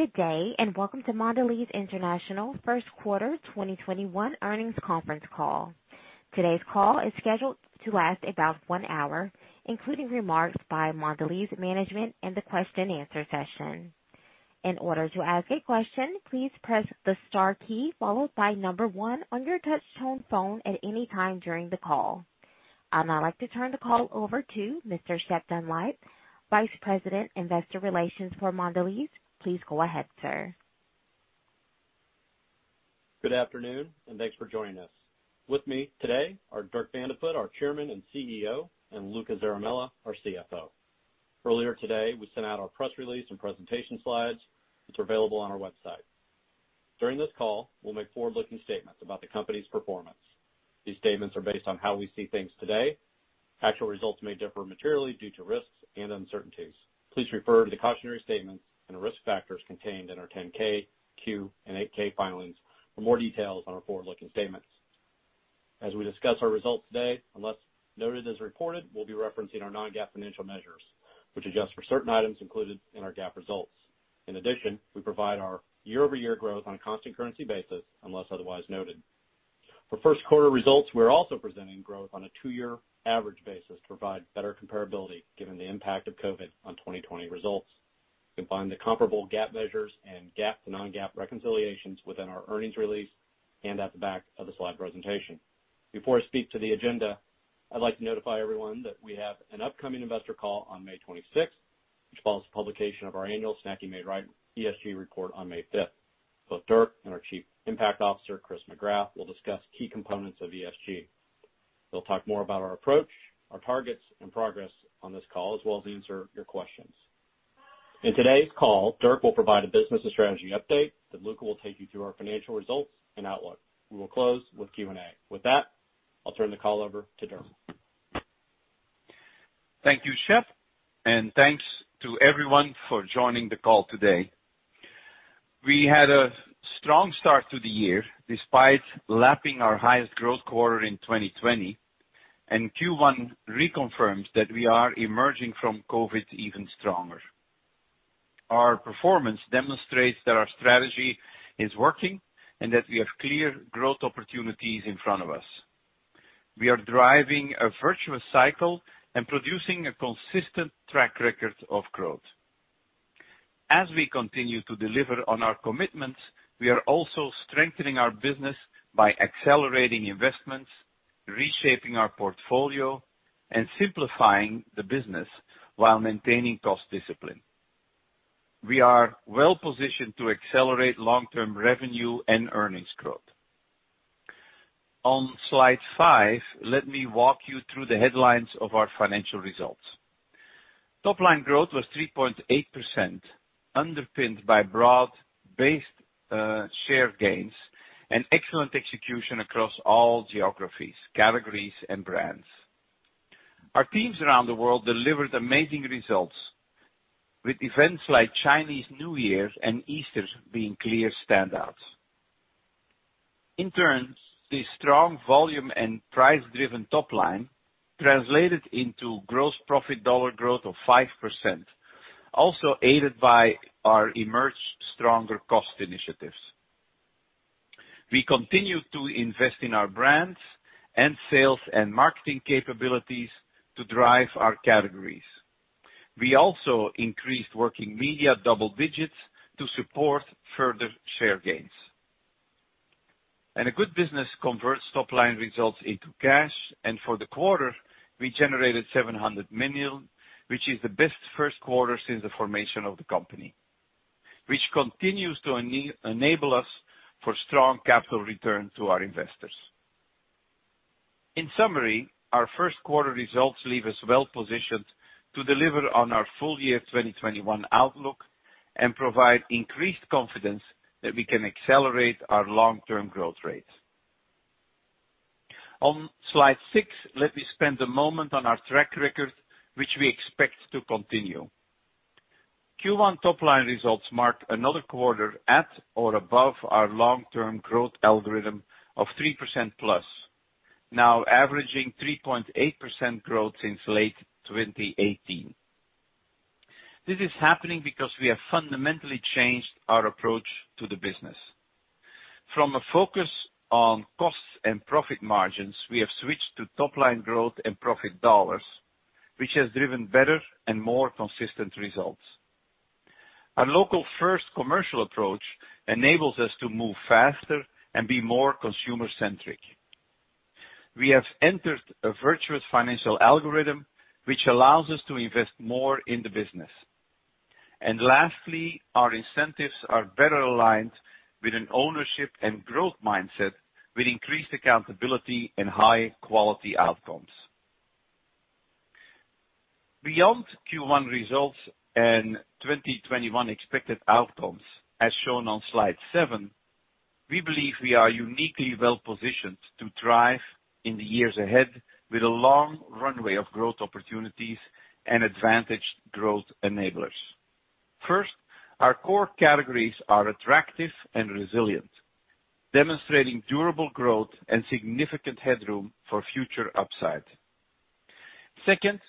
Good day, and welcome to Mondelez International First Quarter 2021 Earnings Conference Call. Today's call is scheduled to last about one hour, including remarks by Mondelez management and the question and answer session. In order to ask a question please press the star key, followed by number one on your touch-tone phone at any time during the call. I'd now like to turn the call over to Mr. Shep Dunlap, Vice President, Investor Relations for Mondelez. Please go ahead, sir. Good afternoon, thanks for joining us. With me today are Dirk Van de Put, our Chairman and CEO, and Luca Zaramella, our CFO. Earlier today, we sent out our press release and presentation slides, which are available on our website. During this call, we'll make forward-looking statements about the company's performance. These statements are based on how we see things today. Actual results may differ materially due to risks and uncertainties. Please refer to the cautionary statements and the risk factors contained in our 10-K, Q, and 8-K filings for more details on our forward-looking statements. As we discuss our results today, unless noted as reported, we'll be referencing our non-GAAP financial measures, which adjust for certain items included in our GAAP results. In addition, we provide our year-over-year growth on a constant currency basis, unless otherwise noted. For Q1 results, we're also presenting growth on a two-year average basis to provide better comparability given the impact of COVID on 2020 results. You can find the comparable GAAP measures and GAAP to non-GAAP reconciliations within our earnings release and at the back of the slide presentation. Before I speak to the agenda, I'd like to notify everyone that we have an upcoming investor call on May 26th, which follows the publication of our annual Snacking Made Right ESG report on May 5th. Both Dirk and our Chief Impact Officer, Chris McGrath, will discuss key components of ESG. They'll talk more about our approach, our targets, and progress on this call, as well as answer your questions. In today's call, Dirk will provide a business and strategy update. Luca will take you through our financial results and outlook. We will close with Q&A. With that, I'll turn the call over to Dirk. Thank you, Shep. Thanks to everyone for joining the call today. We had a strong start to the year despite lapping our highest growth quarter in 2020. Q1 reconfirms that we are emerging from COVID even stronger. Our performance demonstrates that our strategy is working and that we have clear growth opportunities in front of us. We are driving a virtuous cycle and producing a consistent track record of growth. As we continue to deliver on our commitments, we are also strengthening our business by accelerating investments, reshaping our portfolio, and simplifying the business while maintaining cost discipline. We are well-positioned to accelerate long-term revenue and earnings growth. On slide five, let me walk you through the headlines of our financial results. Topline growth was 3.8%, underpinned by broad-based share gains and excellent execution across all geographies, categories, and brands. Our teams around the world delivered amazing results, with events like Chinese New Year and Easter being clear standouts. The strong volume and price-driven top line translated into gross profit dollar growth of 5%, also aided by our emerged stronger cost initiatives. We continue to invest in our brands and sales and marketing capabilities to drive our categories. We also increased working media double-digits to support further share gains. A good business converts top-line results into cash, and for the quarter, we generated $700 million, which is the best first quarter since the formation of the company, which continues to enable us for strong capital return to our investors. In summary, our first quarter results leave us well-positioned to deliver on our full year 2021 outlook and provide increased confidence that we can accelerate our long-term growth rates. On slide six, let me spend a moment on our track record, which we expect to continue. Q1 top-line results marked another quarter at or above our long-term growth algorithm of 3% plus, now averaging 3.8% growth since late 2018. This is happening because we have fundamentally changed our approach to the business. From a focus on costs and profit margins, we have switched to top-line growth and profit dollars, which has driven better and more consistent results. Our local-first commercial approach enables us to move faster and be more consumer-centric. We have entered a virtuous financial algorithm, which allows us to invest more in the business. Lastly, our incentives are better aligned with an ownership and growth mindset with increased accountability and high-quality outcomes. Beyond Q1 results and 2021 expected outcomes, as shown on slide seven, we believe we are uniquely well-positioned to thrive in the years ahead with a long runway of growth opportunities and advantaged growth enablers. First, our core categories are attractive and resilient, demonstrating durable growth and significant headroom for future upside. Second,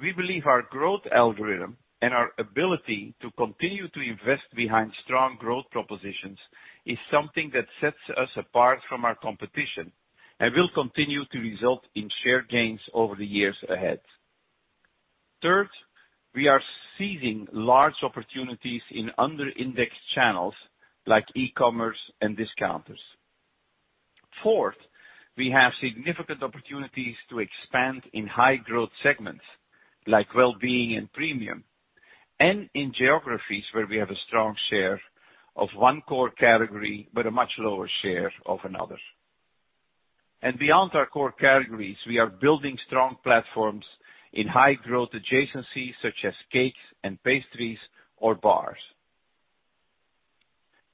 we believe our growth algorithm and our ability to continue to invest behind strong growth propositions is something that sets us apart from our competition and will continue to result in share gains over the years ahead. Third, we are seizing large opportunities in under-indexed channels like e-commerce and discounters. Fourth, we have significant opportunities to expand in high growth segments like wellbeing and premium, and in geographies where we have a strong share of one core category but a much lower share of another. Beyond our core categories, we are building strong platforms in high growth adjacencies such as cakes and pastries or bars.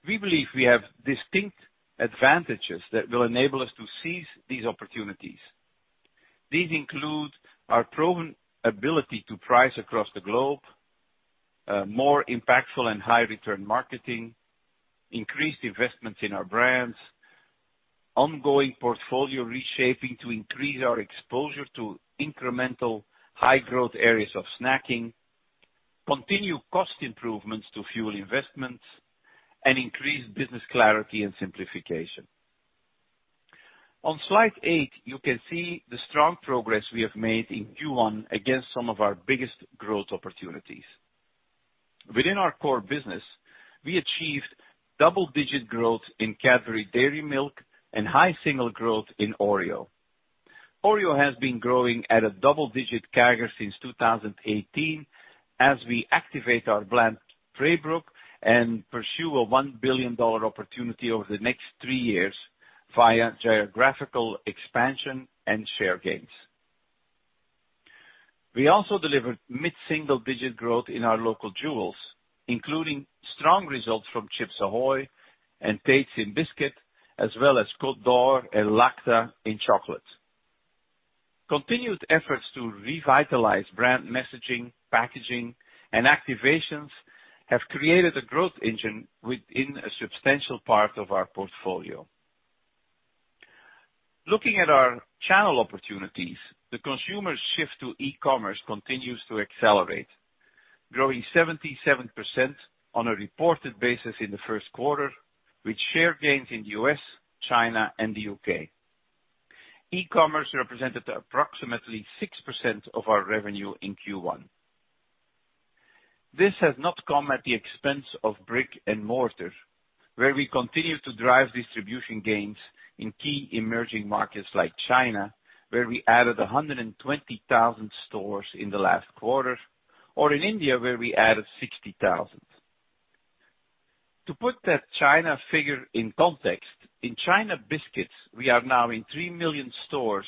We believe we have distinct advantages that will enable us to seize these opportunities. These include our proven ability to price across the globe, more impactful and high return marketing, increased investments in our brands, ongoing portfolio reshaping to increase our exposure to incremental high growth areas of snacking, continued cost improvements to fuel investments, and increased business clarity and simplification. On slide eight, you can see the strong progress we have made in Q1 against some of our biggest growth opportunities. Within our core business, we achieved double-digit growth in Cadbury Dairy Milk and high single growth in Oreo. Oreo has been growing at a double-digit CAGR since 2018 as we activate our brand Playbook and pursue a $1 billion opportunity over the next three years via geographical expansion and share gains. We also delivered mid-single digit growth in our local jewels, including strong results from Chips Ahoy! and Tate's in biscuit, as well as Côte d'Or and Lacta in chocolate. Continued efforts to revitalize brand messaging, packaging, and activations have created a growth engine within a substantial part of our portfolio. Looking at our channel opportunities, the consumer shift to e-commerce continues to accelerate, growing 77% on a reported basis in the first quarter, with share gains in the U.S., China, and the U.K. E-commerce represented approximately 6% of our revenue in Q1. This has not come at the expense of brick and mortar, where we continue to drive distribution gains in key emerging markets like China, where we added 120,000 stores in the last quarter, or in India, where we added 60,000. To put that China figure in context, in China biscuits, we are now in 3 million stores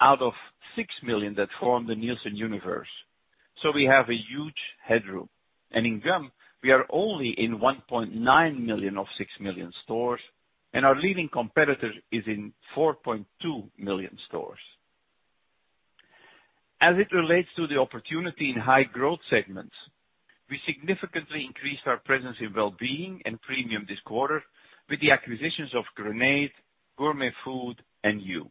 out of 6 million that form the Nielsen universe. We have a huge headroom. In gum, we are only in 1.9 million of 6 million stores, and our leading competitor is in 4.2 million stores. As it relates to the opportunity in high growth segments, we significantly increased our presence in wellbeing and premium this quarter with the acquisitions of Grenade, Gourmet Food and Hu.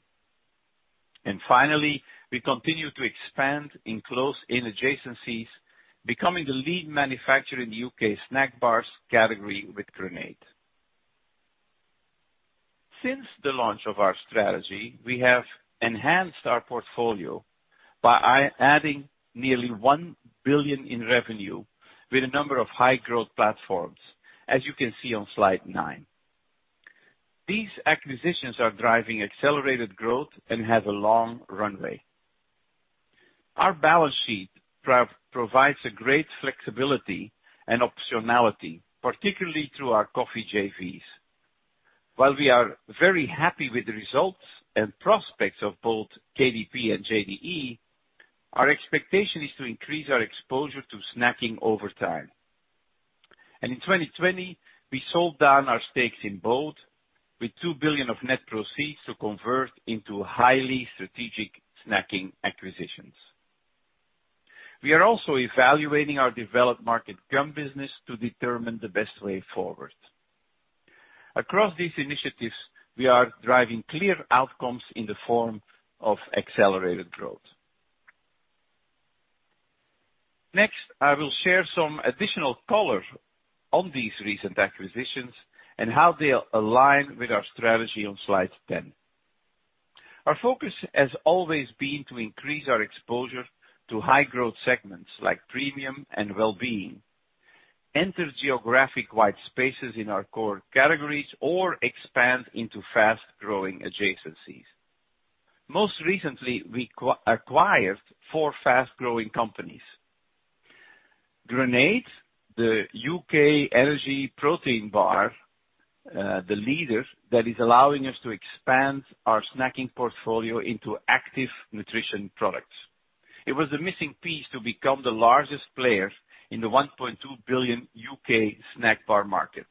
Finally, we continue to expand in close adjacencies, becoming the lead manufacturer in the U.K. snack bars category with Grenade. Since the launch of our strategy, we have enhanced our portfolio by adding nearly $1 billion in revenue with a number of high growth platforms, as you can see on slide nine. These acquisitions are driving accelerated growth and have a long runway. Our balance sheet provides a great flexibility and optionality, particularly through our coffee JVs. While we are very happy with the results and prospects of both KDP and JDE, our expectation is to increase our exposure to snacking over time. In 2020, we sold down our stakes in both with $2 billion of net proceeds to convert into highly strategic snacking acquisitions. We are also evaluating our developed market gum business to determine the best way forward. Across these initiatives, we are driving clear outcomes in the form of accelerated growth. I will share some additional color on these recent acquisitions and how they align with our strategy on slide 10. Our focus has always been to increase our exposure to high growth segments like premium and wellbeing, enter geographic white spaces in our core categories, or expand into fast-growing adjacencies. Most recently, we acquired four fast-growing companies. Grenade, the U.K. energy protein bar, the leader that is allowing us to expand our snacking portfolio into active nutrition products. It was the missing piece to become the largest player in the $1.2 billion U.K. snack bar market.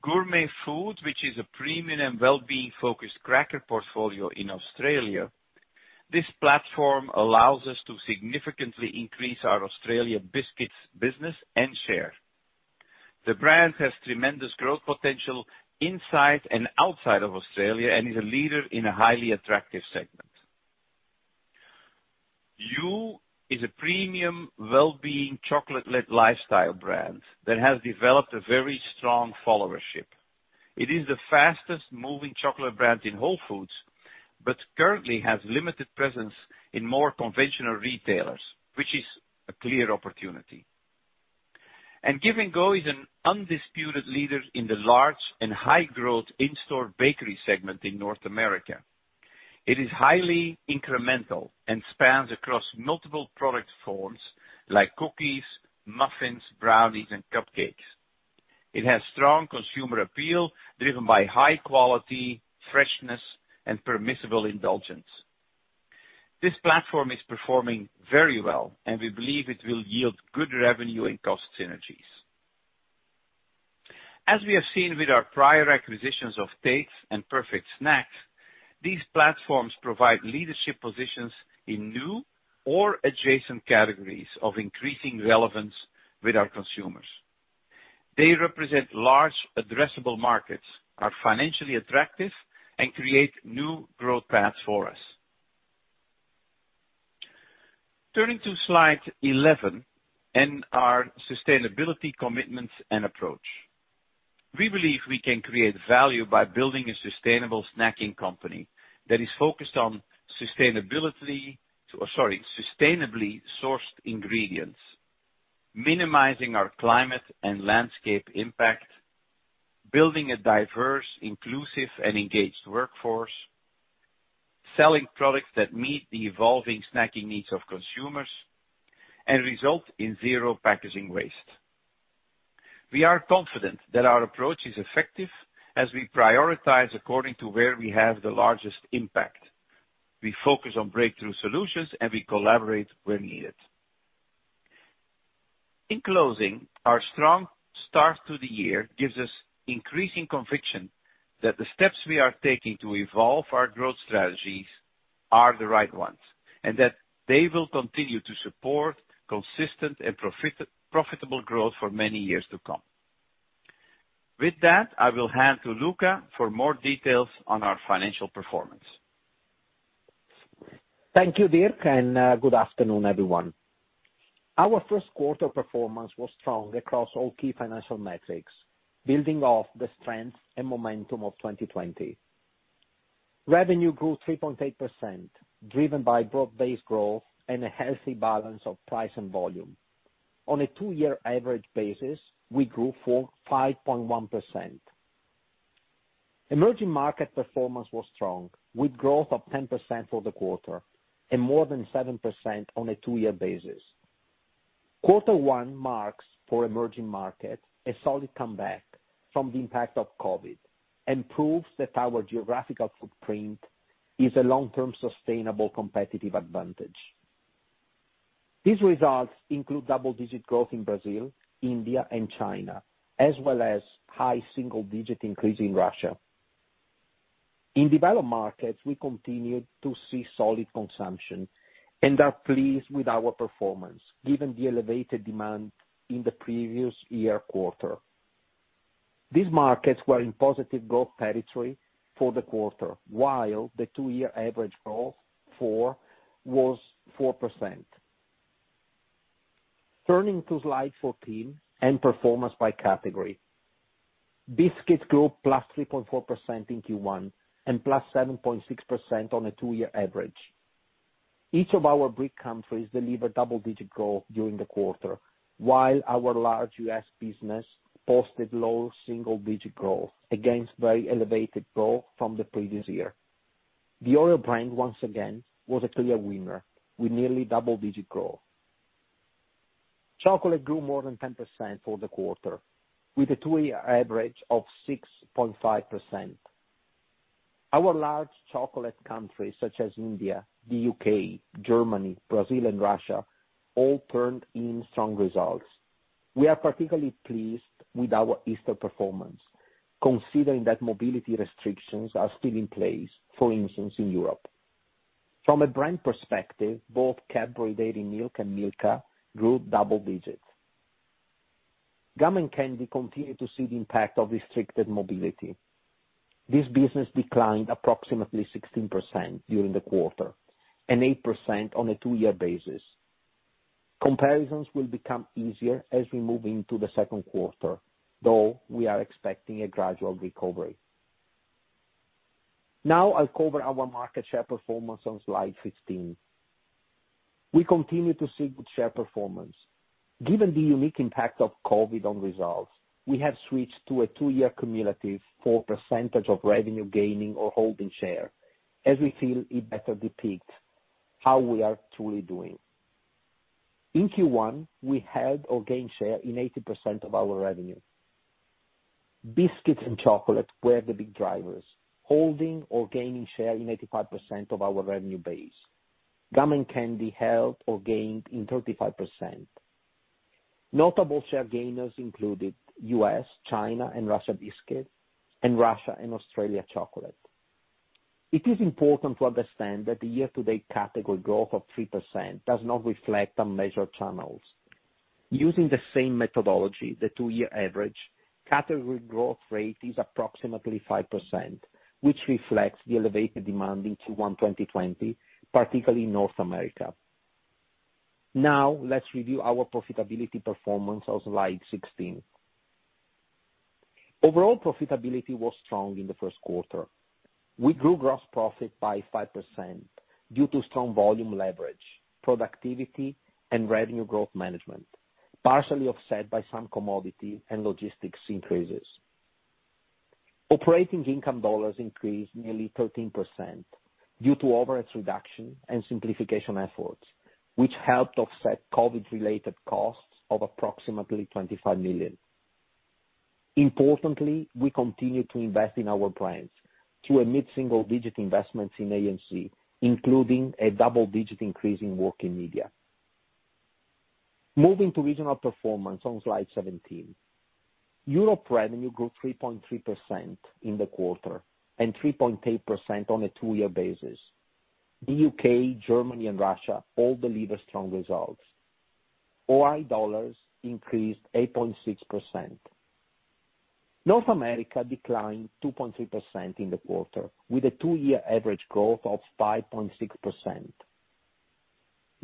Gourmet Food, which is a premium and wellbeing-focused cracker portfolio in Australia. This platform allows us to significantly increase our Australian biscuits business and share. The brand has tremendous growth potential inside and outside of Australia and is a leader in a highly attractive segment. Hu is a premium wellbeing chocolate-led lifestyle brand that has developed a very strong followership. It is the fastest moving chocolate brand in Whole Foods, but currently has limited presence in more conventional retailers, which is a clear opportunity. Give & Go is an undisputed leader in the large and high growth in-store bakery segment in North America. It is highly incremental and spans across multiple product forms like cookies, muffins, brownies and cupcakes. It has strong consumer appeal driven by high quality, freshness, and permissible indulgence. This platform is performing very well, and we believe it will yield good revenue and cost synergies. As we have seen with our prior acquisitions of Tate's and Perfect Snacks, these platforms provide leadership positions in new or adjacent categories of increasing relevance with our consumers. They represent large addressable markets, are financially attractive, and create new growth paths for us. Turning to slide 11 and our sustainability commitments and approach. We believe we can create value by building a sustainable snacking company that is focused on sustainably sourced ingredients, minimizing our climate and landscape impact, building a diverse, inclusive, and engaged workforce, selling products that meet the evolving snacking needs of consumers, and result in zero packaging waste. We are confident that our approach is effective as we prioritize according to where we have the largest impact. We focus on breakthrough solutions, and we collaborate where needed. In closing, our strong start to the year gives us increasing conviction that the steps we are taking to evolve our growth strategies are the right ones, and that they will continue to support consistent and profitable growth for many years to come. With that, I will hand to Luca for more details on our financial performance. Thank you, Dirk, and good afternoon, everyone. Our first quarter performance was strong across all key financial metrics, building off the strength and momentum of 2020. Revenue grew 3.8%, driven by broad-based growth and a healthy balance of price and volume. On a two-year average basis, we grew 45.1%. Emerging market performance was strong, with growth of 10% for the quarter and more than 7% on a two-year basis. Quarter one marks for emerging markets a solid comeback from the impact of COVID, and proves that our geographical footprint is a long-term sustainable competitive advantage. These results include double-digit growth in Brazil, India, and China, as well as high single digit increase in Russia. In developed markets, we continued to see solid consumption and are pleased with our performance, given the elevated demand in the previous year quarter. These markets were in positive growth territory for the quarter, while the two-year average growth was 4%. Turning to slide 14 and performance by category. Biscuits grew +3.4% in Q1 and +7.6% on a two-year average. Each of our BRIC countries delivered double-digit growth during the quarter, while our large US business posted low single-digit growth against very elevated growth from the previous year. The Oreo brand, once again, was a clear winner, with nearly double-digit growth. Chocolate grew more than 10% for the quarter with a two-year average of 6.5%. Our large chocolate countries such as India, the UK, Germany, Brazil, and Russia all turned in strong results. We are particularly pleased with our Easter performance, considering that mobility restrictions are still in place, for instance, in Europe. From a brand perspective, both Cadbury Dairy Milk and Milka grew double digits. Gum and candy continued to see the impact of restricted mobility. This business declined approximately 16% during the quarter and 8% on a two-year basis. Comparisons will become easier as we move into the second quarter, though we are expecting a gradual recovery. Now I'll cover our market share performance on slide 15. We continue to see good share performance. Given the unique impact of COVID on results, we have switched to a two-year cumulative for percentage of revenue gaining or holding share as we feel it better depicts how we are truly doing. In Q1, we held or gained share in 80% of our revenue. Biscuits and chocolate were the big drivers, holding or gaining share in 85% of our revenue base. Gum and candy held or gained in 35%. Notable share gainers included U.S., China, and Russia biscuit, and Russia and Australia chocolate. It is important to understand that the year-to-date category growth of 3% does not reflect on measured channels. Using the same methodology, the two-year average category growth rate is approximately 5%, which reflects the elevated demand in Q1 2020, particularly in North America. Let's review our profitability performance on slide 16. Overall profitability was strong in the first quarter. We grew gross profit by 5% due to strong volume leverage, productivity, and revenue growth management, partially offset by some commodity and logistics increases. Operating income dollars increased nearly 13% due to overhead reduction and simplification efforts, which helped offset COVID-related costs of approximately $25 million. Importantly, we continue to invest in our brands through a mid-single digit investments in A&C, including a double-digit increase in working media. Moving to regional performance on slide 17. Europe revenue grew 3.3% in the quarter and 3.8% on a two-year basis. The U.K., Germany, and Russia all deliver strong results. OI dollars increased 8.6%. North America declined 2.3% in the quarter, with a two-year average growth of 5.6%.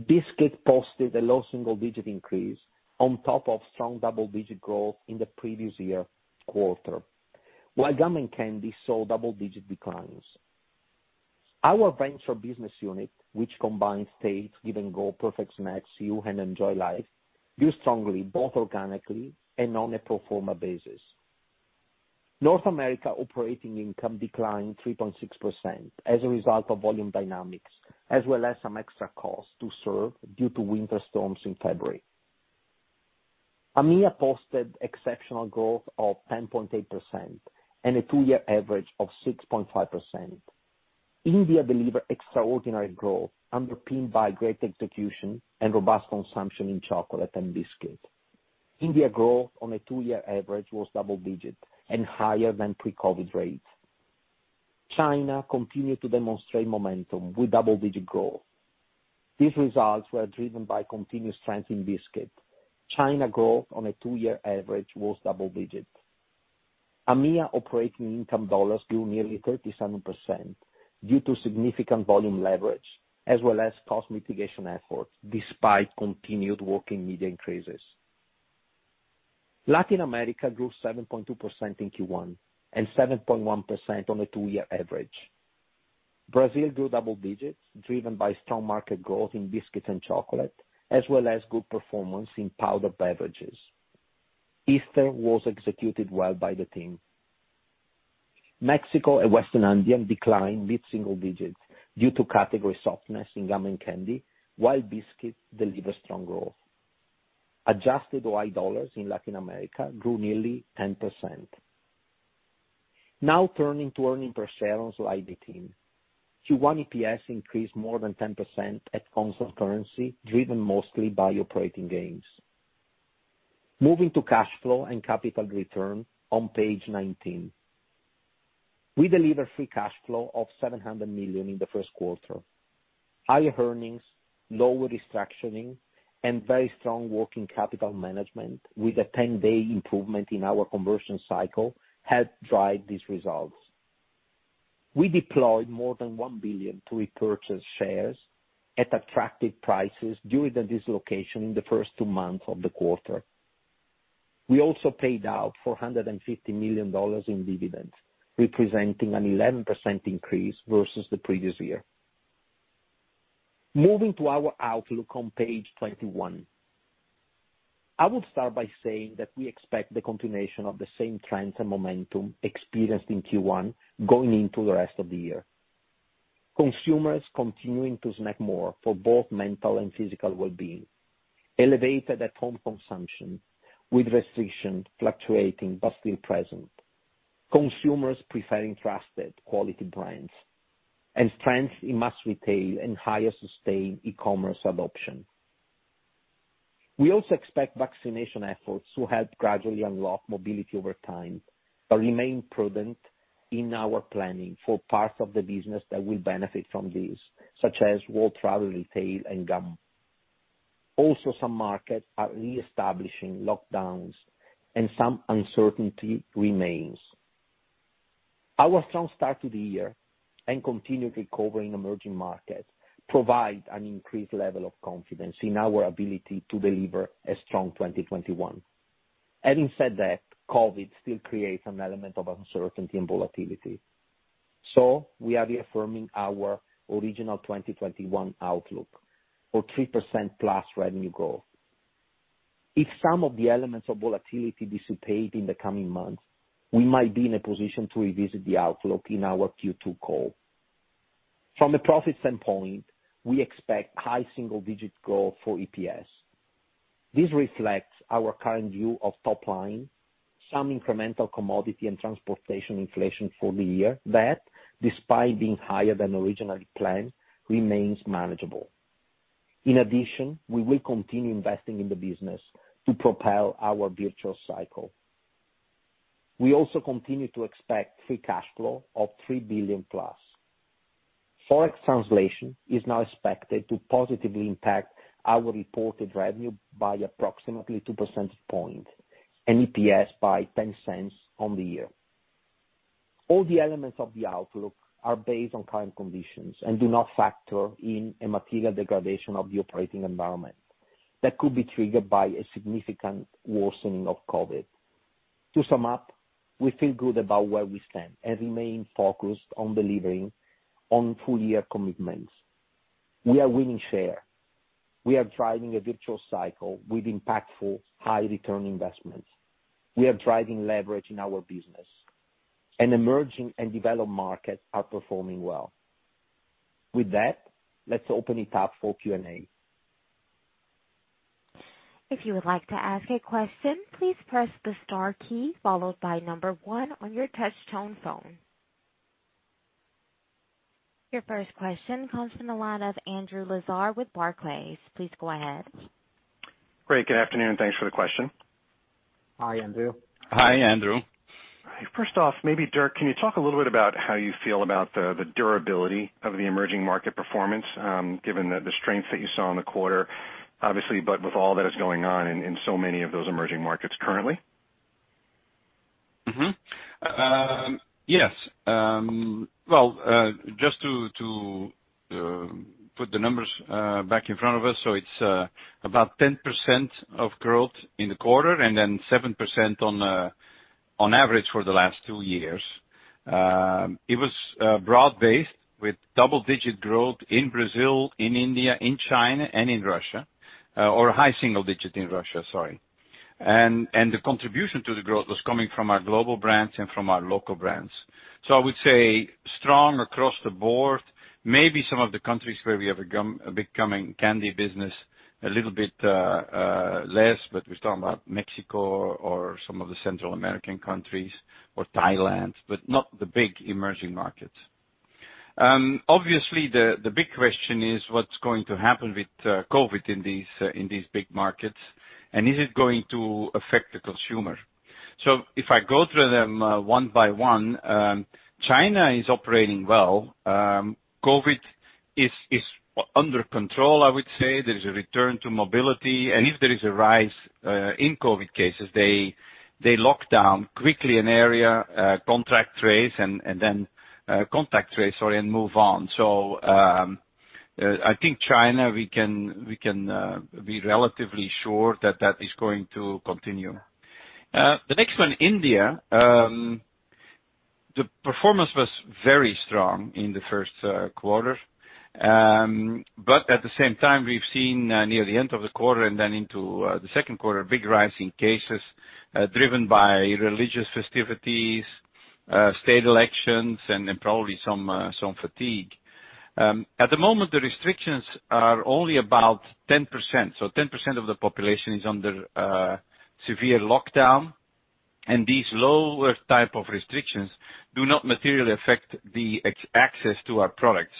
Biscuit posted a low single-digit increase on top of strong double-digit growth in the previous year quarter, while gum and candy saw double-digit declines. Our venture business unit, which combines Tate, Give & Go, Perfect Snacks, Hu, and Enjoy Life, grew strongly both organically and on a pro forma basis. North America operating income declined 3.6% as a result of volume dynamics, as well as some extra costs to serve due to winter storms in February. EMEA posted exceptional growth of 10.8% and a two-year average of 6.5%. India delivered extraordinary growth underpinned by great execution and robust consumption in chocolate and biscuit. India growth on a two-year average was double-digit and higher than pre-COVID rates. China continued to demonstrate momentum with double-digit growth. These results were driven by continued strength in biscuit. China growth on a two-year average was double-digit. EMEA operating income dollars grew nearly 37% due to significant volume leverage as well as cost mitigation efforts despite continued working media increases. Latin America grew 7.2% in Q1 and 7.1% on a two-year average. Brazil grew double-digits driven by strong market growth in biscuits and chocolate, as well as good performance in powdered beverages. Easter was executed well by the team. Mexico and Western Andean declined mid-single-digits due to category softness in gum and candy, while biscuits delivered strong growth. Adjusted OI dollars in Latin America grew nearly 10%. Now turning to earnings per share on slide 18. Q1 EPS increased more than 10% at constant currency, driven mostly by operating gains. Moving to cash flow and capital return on page 19. We delivered free cash flow of $700 million in the first quarter. Higher earnings, lower restructuring, and very strong working capital management with a 10-day improvement in our conversion cycle helped drive these results. We deployed more than $1 billion to repurchase shares at attractive prices during the dislocation in the first two months of the quarter. We also paid out $450 million in dividends, representing an 11% increase versus the previous year. Moving to our outlook on page 21. I would start by saying that we expect the continuation of the same trends and momentum experienced in Q1 going into the rest of the year. Consumers continuing to snack more for both mental and physical well-being, elevated at-home consumption, with restriction fluctuating but still present. Consumers preferring trusted quality brands and trends in mass retail and higher sustained e-commerce adoption. We also expect vaccination efforts to help gradually unlock mobility over time, but remain prudent in our planning for parts of the business that will benefit from this, such as world travel, retail, and gum. Some markets are reestablishing lockdowns and some uncertainty remains. Our strong start to the year and continued recovery in emerging markets provide an increased level of confidence in our ability to deliver a strong 2021. Having said that, COVID still creates an element of uncertainty and volatility. We are reaffirming our original 2021 outlook for +3% revenue growth. If some of the elements of volatility dissipate in the coming months, we might be in a position to revisit the outlook in our Q2 call. From a profit standpoint, we expect high single-digit growth for EPS. This reflects our current view of top line, some incremental commodity and transportation inflation for the year that, despite being higher than originally planned, remains manageable. In addition, we will continue investing in the business to propel our virtuous cycle. We also continue to expect free cash flow of $3 billion-plus. Forex translation is now expected to positively impact our reported revenue by approximately 2 percentage points, and EPS by $0.10 on the year. All the elements of the outlook are based on current conditions and do not factor in a material degradation of the operating environment that could be triggered by a significant worsening of COVID. To sum up, we feel good about where we stand and remain focused on delivering on full-year commitments. We are winning share. We are driving a virtuous cycle with impactful high-return investments. We are driving leverage in our business, and emerging and developed markets are performing well. With that, let's open it up for Q&A. If you would like to ask a question please press the star key, followed by number one on your touch-tone phone. Your first question comes from the line of Andrew Lazar with Barclays. Please go ahead. Great. Good afternoon, and thanks for the question. Hi, Andrew. Hi, Andrew. First off, maybe Dirk, can you talk a little bit about how you feel about the durability of the emerging market performance, given the strength that you saw in the quarter, obviously, but with all that is going on in so many of those emerging markets currently? Yes. Well, just to put the numbers back in front of us, it's about 10% of growth in the quarter and then 7% on average for the last two years. It was broad-based with double-digit growth in Brazil, in India, in China, and in Russia, or high single digit in Russia, sorry. The contribution to the growth was coming from our global brands and from our local brands. I would say strong across the board, maybe some of the countries where we have a gum, a becoming candy business, a little bit less, but we're talking about Mexico or some of the Central American countries or Thailand, but not the big emerging markets. The big question is what's going to happen with COVID in these big markets, and is it going to affect the consumer? If I go through them one by one, China is operating well. COVID is under control, I would say. There is a return to mobility, and if there is a rise in COVID cases, they lock down quickly an area, contract trace, sorry, and move on. I think China, we can be relatively sure that that is going to continue. The next one, India, the performance was very strong in the first quarter. At the same time, we've seen near the end of the quarter and then into the second quarter, a big rise in cases, driven by religious festivities, state elections, and then probably some fatigue. At the moment, the restrictions are only about 10%. 10% of the population is under severe lockdown, and these lower type of restrictions do not materially affect the access to our products.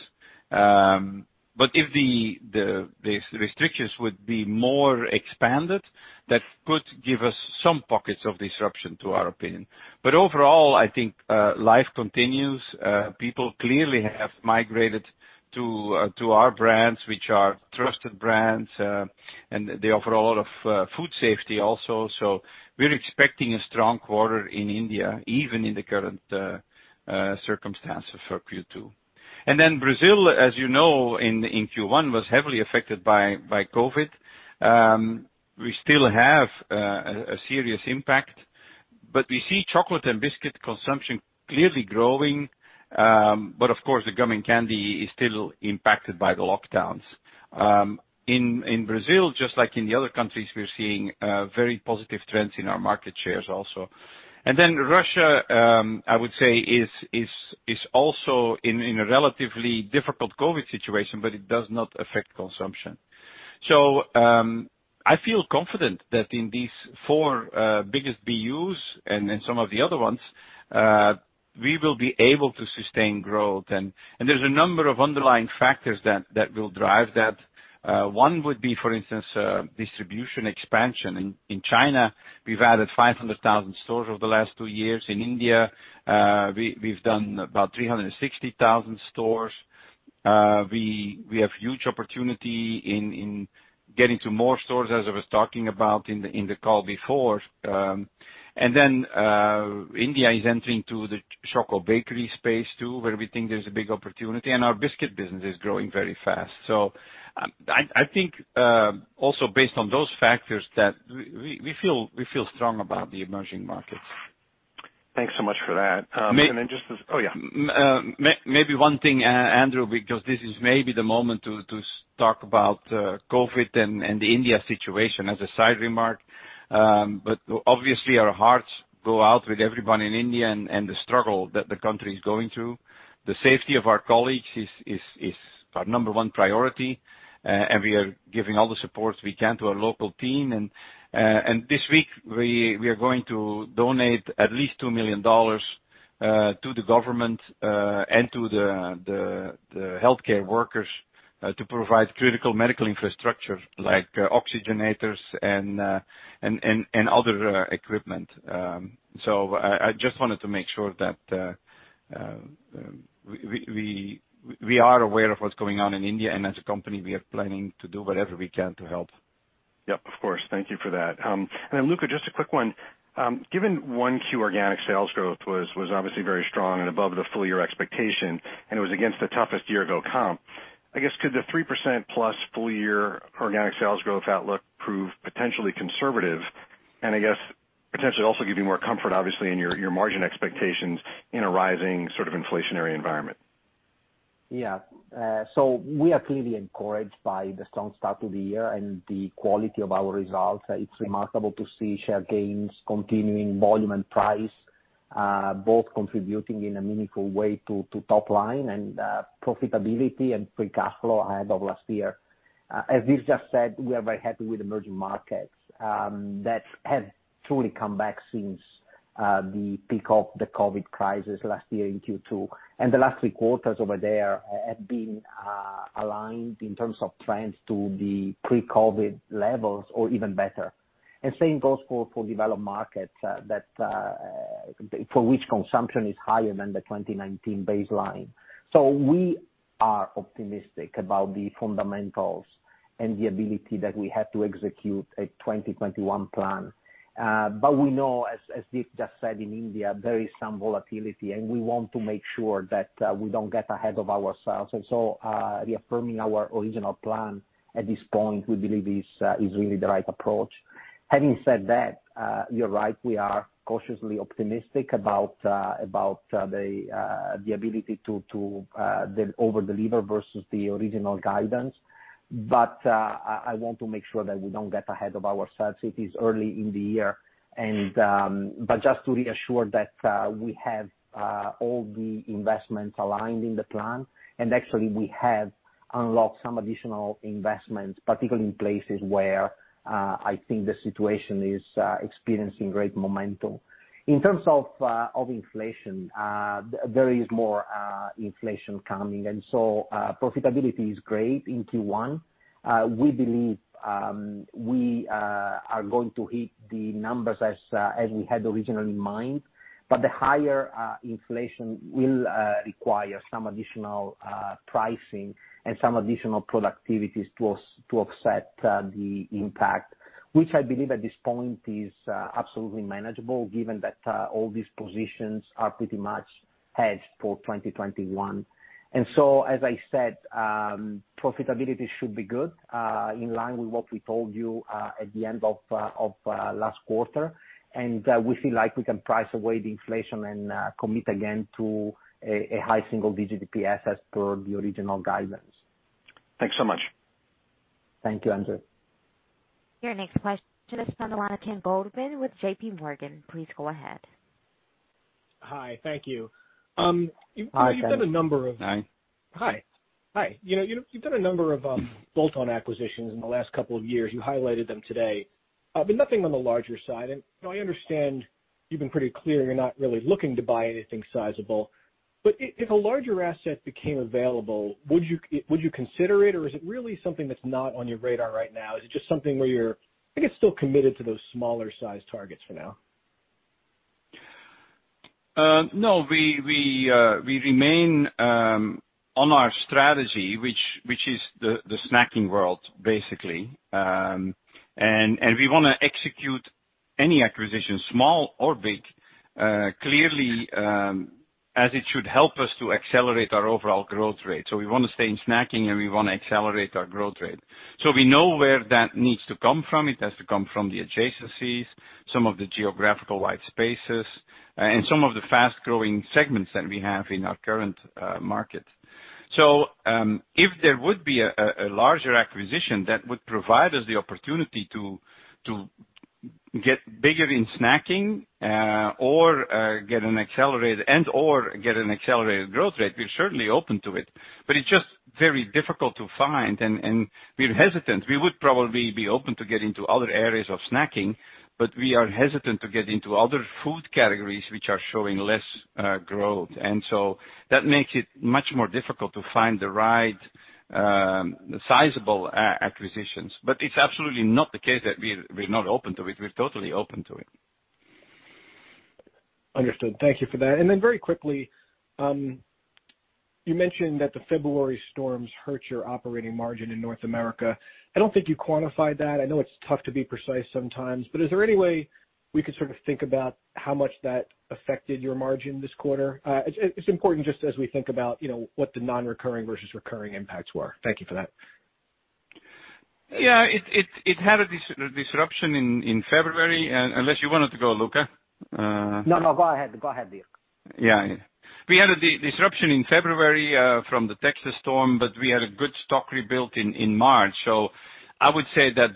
If the restrictions would be more expanded, that could give us some pockets of disruption to our opinion. Overall, I think life continues. People clearly have migrated to our brands, which are trusted brands, and they offer a lot of food safety also. We're expecting a strong quarter in India, even in the current circumstances for Q2. Brazil, as you know, in Q1, was heavily affected by COVID. We still have a serious impact, but we see chocolate and biscuit consumption clearly growing. Of course, the gum and candy is still impacted by the lockdowns. In Brazil, just like in the other countries, we're seeing very positive trends in our market shares also. Russia, I would say is also in a relatively difficult COVID situation, but it does not affect consumption. I feel confident that in these four biggest BUs and in some of the other ones, we will be able to sustain growth. There's a number of underlying factors that will drive that. One would be, for instance, distribution expansion. In China, we've added 500,000 stores over the last two years. In India, we've done about 360,000 stores. We have huge opportunity in getting to more stores, as I was talking about in the call before. India is entering into the chocolate bakery space too, where we think there's a big opportunity, and our biscuit business is growing very fast. I think, also based on those factors, that we feel strong about the emerging markets. Thanks so much for that. May- Just as Oh, yeah. Maybe one thing, Andrew, because this is maybe the moment to talk about COVID and the India situation as a side remark. Obviously our hearts go out with everyone in India and the struggle that the country is going through. The safety of our colleagues is our number one priority, and we are giving all the support we can to our local team. This week, we are going to donate at least $2 million to the government and to the healthcare workers to provide critical medical infrastructure like oxygenators and other equipment. I just wanted to make sure that we are aware of what's going on in India, and as a company, we are planning to do whatever we can to help. Yep, of course. Thank you for that. Luca, just a quick one. Given 1Q organic sales growth was obviously very strong and above the full-year expectation, and it was against the toughest year ago comp, I guess could the 3%+ full-year organic sales growth outlook prove potentially conservative? I guess, potentially also give you more comfort, obviously, in your margin expectations in a rising sort of inflationary environment. Yeah. We are clearly encouraged by the strong start to the year and the quality of our results. It's remarkable to see share gains continuing, volume and price both contributing in a meaningful way to top line and profitability and free cash flow ahead of last year. As Dirk just said, we are very happy with emerging markets that have truly come back since the peak of the COVID crisis last year in Q2. The last three quarters over there have been aligned in terms of trends to the pre-COVID levels or even better. Same goes for developed markets for which consumption is higher than the 2019 baseline. We are optimistic about the fundamentals and the ability that we have to execute a 2021 plan. We know, as Dirk just said, in India, there is some volatility, and we want to make sure that we don't get ahead of ourselves. Reaffirming our original plan at this point, we believe is really the right approach. Having said that, you're right, we are cautiously optimistic about the ability to over-deliver versus the original guidance. I want to make sure that we don't get ahead of ourselves. It is early in the year. Just to reassure that we have all the investments aligned in the plan, and actually, we have unlocked some additional investments, particularly in places where I think the situation is experiencing great momentum. In terms of inflation, there is more inflation coming, and so profitability is great in Q1. We believe we are going to hit the numbers as we had originally in mind. The higher inflation will require some additional pricing and some additional productivities to offset the impact, which I believe at this point is absolutely manageable given that all these positions are pretty much hedged for 2021. As I said, profitability should be good, in line with what we told you at the end of last quarter. We feel like we can price away the inflation and commit again to a high single-digit EPS as per the original guidance. Thanks so much. Thank you, Andrew. Your next question is from the line of Ken Goldman with JPMorgan. Please go ahead. Hi. Thank you. Hi, Ken. Hi. Hi. You've done a number of bolt-on acquisitions in the last couple of years. You highlighted them today. Nothing on the larger side. I understand you've been pretty clear you're not really looking to buy anything sizable. If a larger asset became available, would you consider it, or is it really something that's not on your radar right now? Is it just something where I think you're still committed to those smaller size targets for now. No. We remain on our strategy, which is the snacking world, basically. We want to execute any acquisition, small or big, clearly, as it should help us to accelerate our overall growth rate. We want to stay in snacking, and we want to accelerate our growth rate. We know where that needs to come from. It has to come from the adjacencies, some of the geographical white spaces, and some of the fast-growing segments that we have in our current market. If there would be a larger acquisition that would provide us the opportunity to get bigger in snacking and/or get an accelerated growth rate, we're certainly open to it. It's just very difficult to find, and we're hesitant. We would probably be open to get into other areas of snacking, but we are hesitant to get into other food categories which are showing less growth. That makes it much more difficult to find the right sizable acquisitions. It's absolutely not the case that we're not open to it. We're totally open to it. Understood. Thank you for that. Very quickly, you mentioned that the February storms hurt your operating margin in North America. I don't think you quantified that. I know it's tough to be precise sometimes, but is there any way we could sort of think about how much that affected your margin this quarter? It's important just as we think about what the non-recurring versus recurring impacts were. Thank you for that. Yeah. It had a disruption in February, unless you wanted to go, Luca. No. Go ahead, Dirk. We had a disruption in February from the Texas storm, but we had a good stock rebuilt in March. I would say that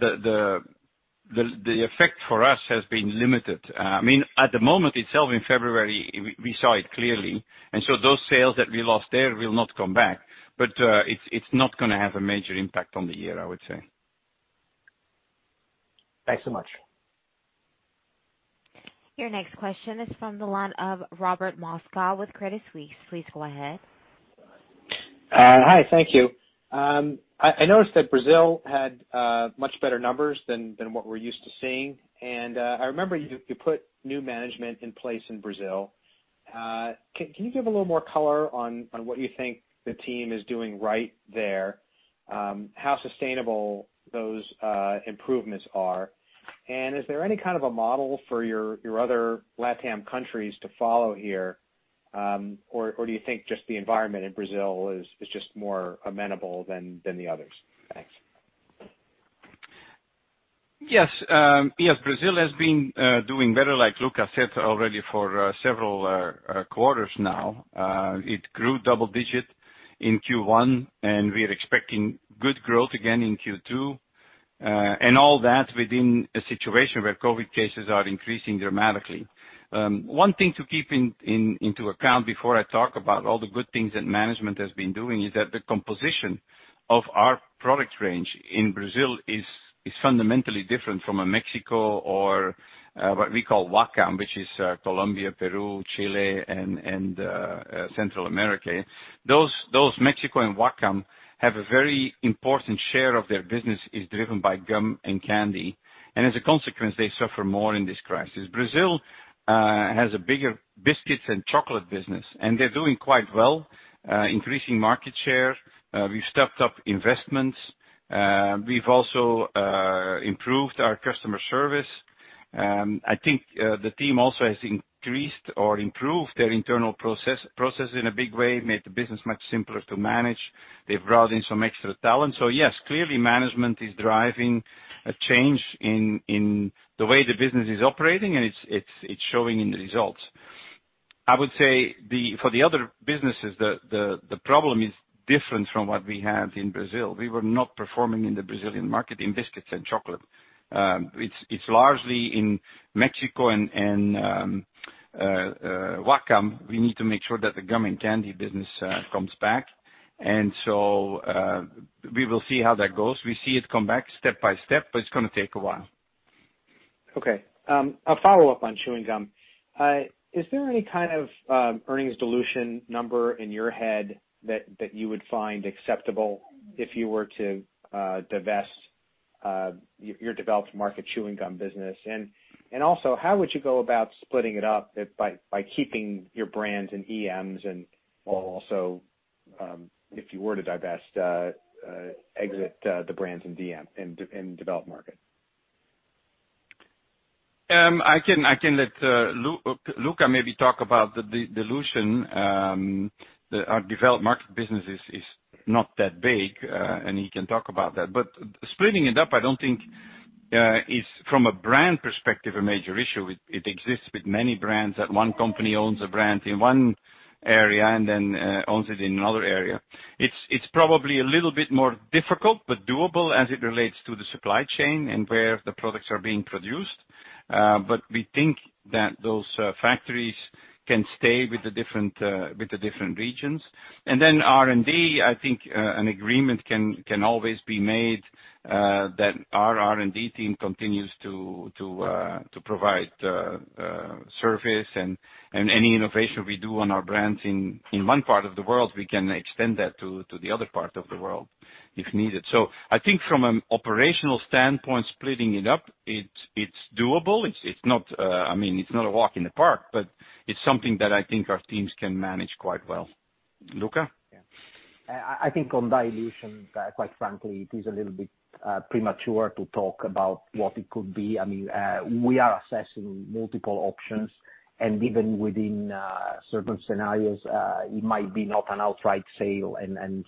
the effect for us has been limited. At the moment itself in February, we saw it clearly, and so those sales that we lost there will not come back. It's not going to have a major impact on the year, I would say. Thanks so much. Your next question is from the line of Robert Moskow with Credit Suisse. Please go ahead. Hi. Thank you. I noticed that Brazil had much better numbers than what we're used to seeing. I remember you put new management in place in Brazil. Can you give a little more color on what you think the team is doing right there? How sustainable those improvements are? Is there any kind of a model for your other LatAm countries to follow here? Do you think just the environment in Brazil is just more amenable than the others? Thanks. Yes. Brazil has been doing better, like Luca said already, for several quarters now. It grew double-digit in Q1. We are expecting good growth again in Q2. All that within a situation where COVID cases are increasing dramatically. One thing to keep into account before I talk about all the good things that management has been doing is that the composition of our product range in Brazil is fundamentally different from a Mexico or what we call WACAM, which is Colombia, Peru, Chile, and Central America. Those, Mexico and WACAM, have a very important share of their business is driven by gum and candy. As a consequence, they suffer more in this crisis. Brazil has a bigger biscuits and chocolate business, and they're doing quite well, increasing market share. We've stepped up investments. We've also improved our customer service. I think, the team also has increased or improved their internal process in a big way, made the business much simpler to manage. They've brought in some extra talent. Yes, clearly management is driving a change in the way the business is operating, and it's showing in the results. I would say for the other businesses, the problem is different from what we have in Brazil. We were not performing in the Brazilian market in biscuits and chocolate. It's largely in Mexico and WACAM. We need to make sure that the gum and candy business comes back. We will see how that goes. We see it come back step by step, but it's going to take a while. Okay. A follow-up on chewing gum. Is there any kind of earnings dilution number in your head that you would find acceptable if you were to divest your developed market chewing gum business? Also, how would you go about splitting it up by keeping your brands in EMs and also, if you were to divest, exit the brands in DM, in developed market? I can let Luca maybe talk about the dilution. Our developed market business is not that big, and he can talk about that. Splitting it up, I don't think is from a brand perspective, a major issue. It exists with many brands, that one company owns a brand in one area and then owns it in another area. It's probably a little bit more difficult but doable as it relates to the supply chain and where the products are being produced. We think that those factories can stay with the different regions. Then R&D, I think, an agreement can always be made, that our R&D team continues to provide service and any innovation we do on our brands in one part of the world, we can extend that to the other part of the world if needed. I think from an operational standpoint, splitting it up, it's doable. It's not a walk in the park, but it's something that I think our teams can manage quite well. Luca? Yeah. I think on dilution, quite frankly, it is a little bit premature to talk about what it could be. We are assessing multiple options, and even within certain scenarios, it might be not an outright sale.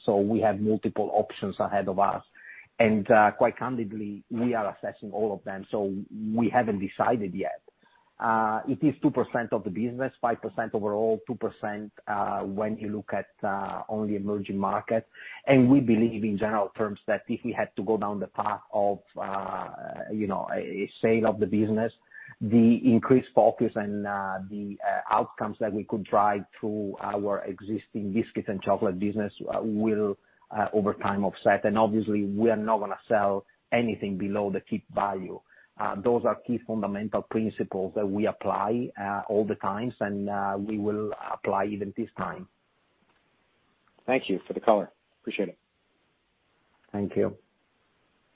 We have multiple options ahead of us. Quite candidly, we are assessing all of them. We haven't decided yet. It is 2% of the business, 5% overall, 2% when you look at only emerging markets. We believe in general terms that if we had to go down the path of a sale of the business, the increased focus and the outcomes that we could drive through our existing biscuits and chocolate business will, over time, offset. Obviously, we are not going to sell anything below the key value. Those are key fundamental principles that we apply all the times, and we will apply even this time. Thank you for the color. Appreciate it. Thank you.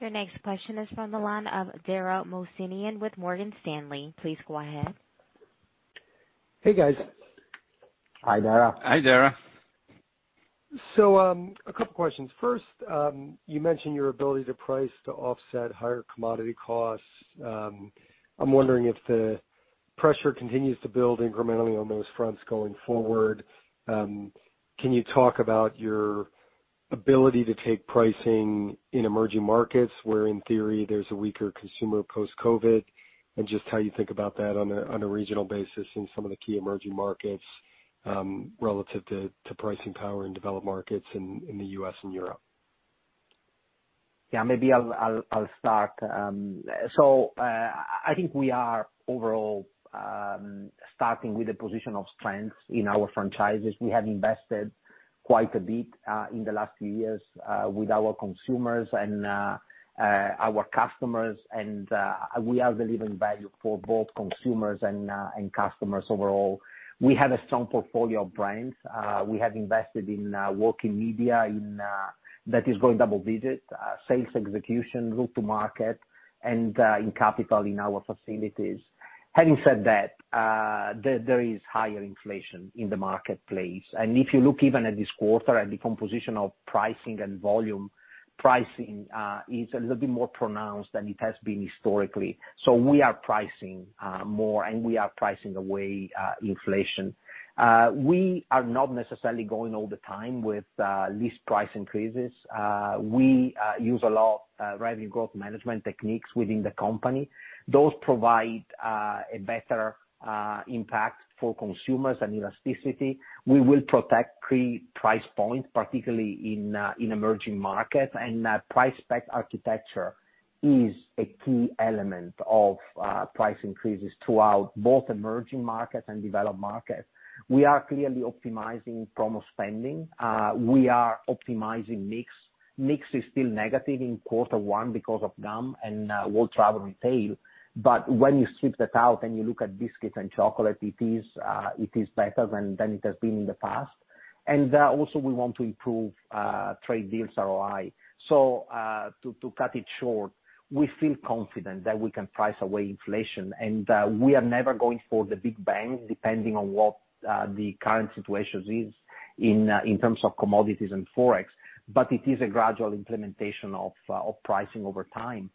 Your next question is from the line of Dara Mohsenian with Morgan Stanley. Please go ahead. Hey, guys. Hi, Dara. Hi, Dara. A couple questions. First, you mentioned your ability to price to offset higher commodity costs. I'm wondering if the pressure continues to build incrementally on those fronts going forward. Can you talk about your ability to take pricing in emerging markets where, in theory, there's a weaker consumer post-COVID, and just how you think about that on a regional basis in some of the key emerging markets, relative to pricing power in developed markets in the U.S. and Europe? Yeah. Maybe I'll start. I think we are overall starting with a position of strength in our franchises. We have invested quite a bit in the last few years with our consumers and our customers. We are delivering value for both consumers and customers overall. We have a strong portfolio of brands. We have invested in working media that is growing double digits, sales execution, go to market, and in capital in our facilities. Having said that, there is higher inflation in the marketplace. If you look even at this quarter at the composition of pricing and volume, pricing is a little bit more pronounced than it has been historically. We are pricing more, and we are pricing away inflation. We are not necessarily going all the time with list price increases. We use a lot of revenue growth management techniques within the company. Those provide a better impact for consumers and elasticity. We will protect key price points, particularly in emerging markets. Price spec architecture is a key element of price increases throughout both emerging markets and developed markets. We are clearly optimizing promo spending. We are optimizing mix. Mix is still negative in Q1 because of gum and world travel retail. When you strip that out and you look at biscuits and chocolate, it is better than it has been in the past. Also, we want to improve trade deals ROI. To cut it short, we feel confident that we can price away inflation. We are never going for the big bang, depending on what the current situation is in terms of commodities and Forex. It is a gradual implementation of pricing over time.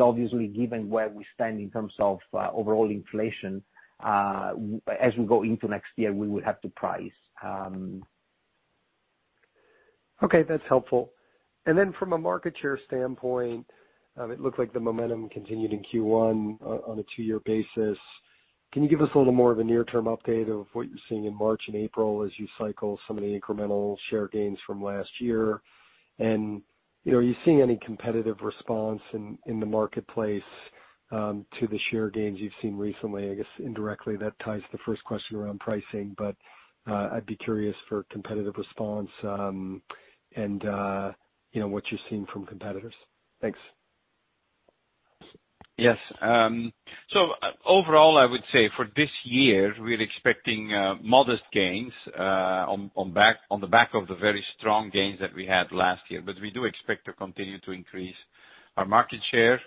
Obviously, given where we stand in terms of overall inflation, as we go into next year, we will have to price. Okay, that's helpful. Then from a market share standpoint, it looked like the momentum continued in Q1 on a two-year basis. Can you give us a little more of a near-term update of what you're seeing in March and April as you cycle some of the incremental share gains from last year? Are you seeing any competitive response in the marketplace to the share gains you've seen recently? I guess indirectly, that ties to the first question around pricing, but I'd be curious for competitive response and what you're seeing from competitors. Thanks. Yes. Overall, I would say for this year, we're expecting modest gains on the back of the very strong gains that we had last year. We do expect to continue to increase our market share.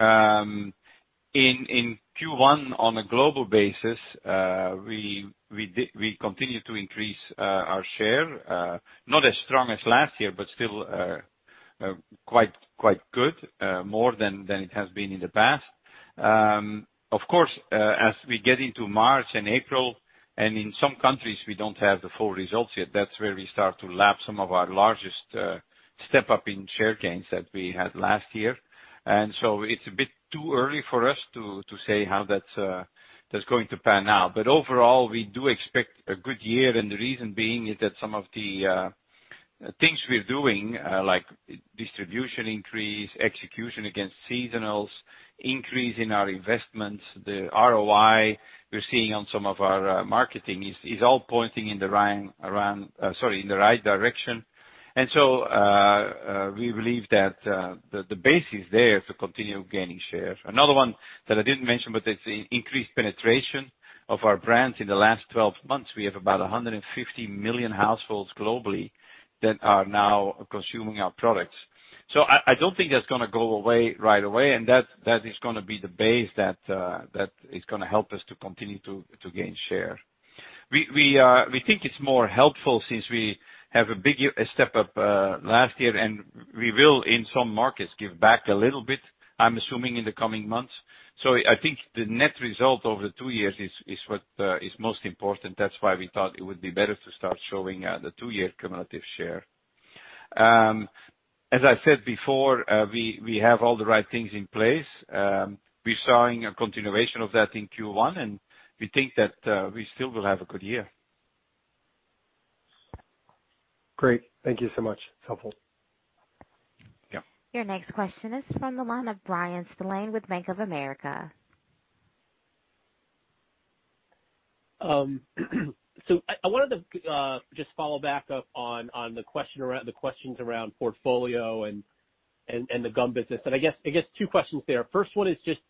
In Q1, on a global basis, we continued to increase our share, not as strong as last year, but still quite good. More than it has been in the past. Of course, as we get into March and April, and in some countries we don't have the full results yet, that's where we start to lap some of our largest step-up in share gains that we had last year. It's a bit too early for us to say how that's going to pan out. Overall, we do expect a good year, and the reason being is that some of the things we're doing, like distribution increase, execution against seasonals, increase in our investments, the ROI we're seeing on some of our marketing, is all pointing in the right direction. We believe that the base is there to continue gaining shares. Another one that I didn't mention, but it's increased penetration of our brands. In the last 12 months, we have about 150 million households globally that are now consuming our products. I don't think that's going to go away right away, and that is going to be the base that is going to help us to continue to gain share. We think it's more helpful since we have a big step-up last year, and we will, in some markets, give back a little bit, I'm assuming, in the coming months. I think the net result over the two years is what is most important. That's why we thought it would be better to start showing the two-year cumulative share. As I said before, we have all the right things in place. We're seeing a continuation of that in Q1, we think that we still will have a good year. Great. Thank you so much. It's helpful. Yeah. Your next question is from the line of Bryan Spillane with Bank of America. I wanted to just follow back up on the questions around portfolio and the gum business. I guess two questions there. First one is just